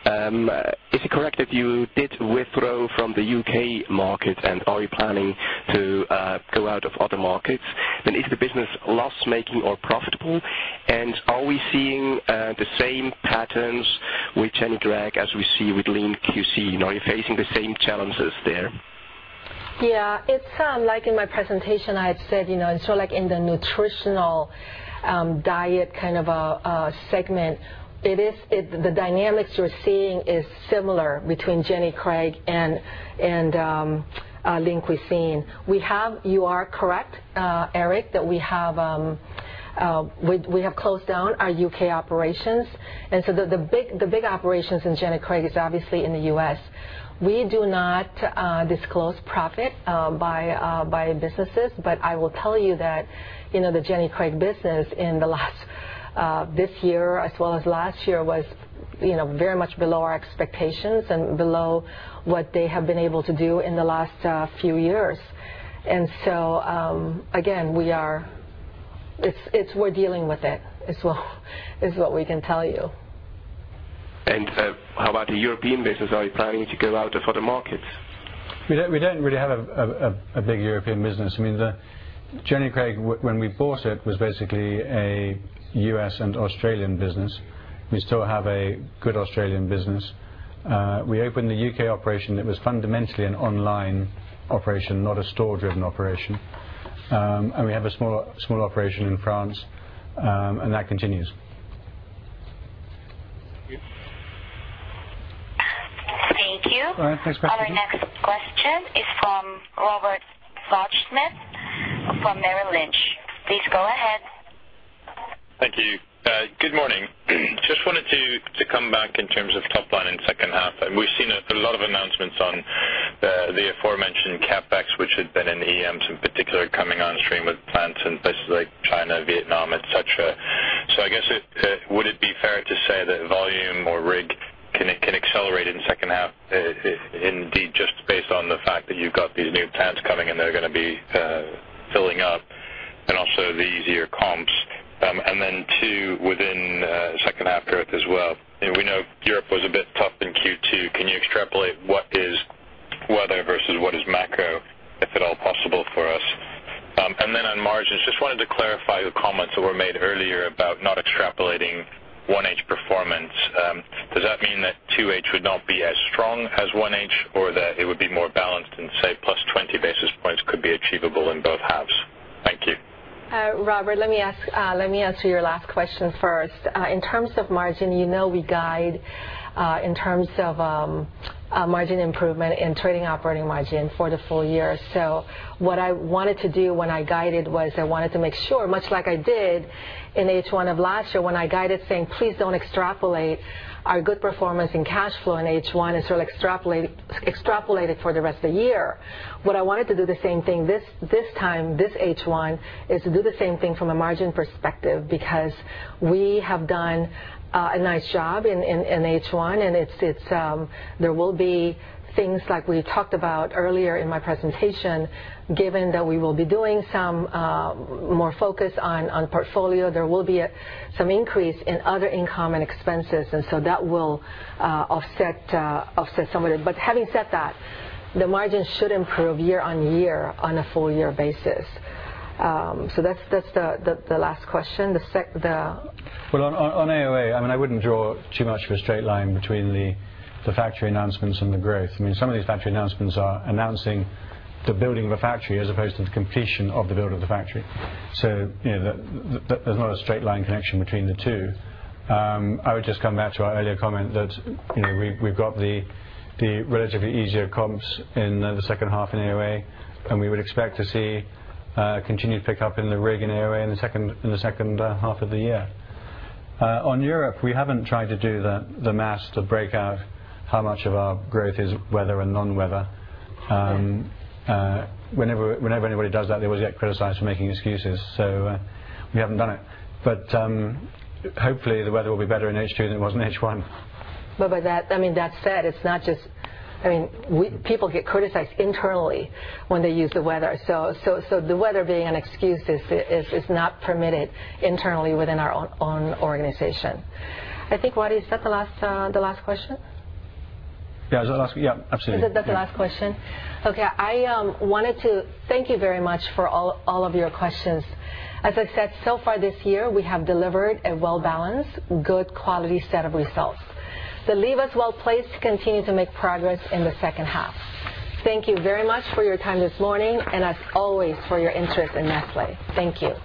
Is it correct that you did withdraw from the U.K. market, and are you planning to go out of other markets? Is the business loss-making or profitable? Are we seeing the same patterns with Jenny Craig as we see with Lean Cuisine? Are you facing the same challenges there? Yeah. It's like in my presentation, I had said, like in the nutritional diet kind of a segment, the dynamics you're seeing is similar between Jenny Craig and Lean Cuisine. You are correct, Eric, that we have closed down our U.K. operations. The big operations in Jenny Craig is obviously in the U.S. We do not disclose profit by businesses. I will tell you that the Jenny Craig business in this year as well as last year was very much below our expectations and below what they have been able to do in the last few years. Again, we're dealing with it is what we can tell you. How about the European business? Are you planning to go out to further markets? We don't really have a big European business. Jenny Craig, when we bought it, was basically a U.S. and Australian business. We still have a good Australian business. We opened the U.K. operation. It was fundamentally an online operation, not a store driven operation. We have a small operation in France, and that continues. Thank you. All right, next question. Our next question is from Robert Schmidt from Merrill Lynch. Please go ahead. Thank you. Good morning. Just wanted to come back in terms of top line in second half. We've seen a lot of announcements on the aforementioned CapEx, which had been in EMs in particular, coming on stream with plants in places like China, Vietnam, et cetera. I guess, would it be fair to say that volume or RIG can accelerate in second half, indeed, just based on the fact that you've got these new plants coming and they're going to be filling up and also the easier comps? Two, within second half growth as well. We know Europe was a bit tough in Q2. Can you extrapolate what is weather versus what is macro, if at all possible for us? On margins, just wanted to clarify your comments that were made earlier about not extrapolating 1H performance. Does that mean that 2H would not be as strong as 1H, or that it would be more balanced and say plus 20 basis points could be achievable in both halves? Thank you. Robert, let me answer your last question first. In terms of margin, you know we guide in terms of margin improvement and trading operating margin for the full year. What I wanted to do when I guided was I wanted to make sure, much like I did in H1 of last year when I guided saying, please don't extrapolate our good performance in cash flow in H1 and extrapolate it for the rest of the year. What I wanted to do the same thing this time, this H1, is to do the same thing from a margin perspective because we have done a nice job in H1 and there will be things like we talked about earlier in my presentation, given that we will be doing some more focus on portfolio. That will offset some of it. Having said that, the margin should improve year-over-year on a full year basis. That's the last question. Well, on AOA, I wouldn't draw too much of a straight line between the factory announcements and the growth. Some of these factory announcements are announcing the building of a factory as opposed to the completion of the build of the factory. There's not a straight line connection between the two. I would just come back to our earlier comment that we've got the relatively easier comps in the second half in AOA, and we would expect to see continued pickup in the RIG in AOA in the second half of the year. On Europe, we haven't tried to do the math to break out how much of our growth is weather and non-weather. Whenever anybody does that, they always get criticized for making excuses. We haven't done it. Hopefully the weather will be better in H2 than it was in H1. That said, people get criticized internally when they use the weather. The weather being an excuse is not permitted internally within our own organization. I think, Wade, is that the last question? Yeah. Is that the last? Yeah, absolutely. Is that the last question? Okay. I wanted to thank you very much for all of your questions. As I said, so far this year, we have delivered a well-balanced, good quality set of results that leave us well-placed to continue to make progress in the second half. Thank you very much for your time this morning and as always, for your interest in Nestlé. Thank you.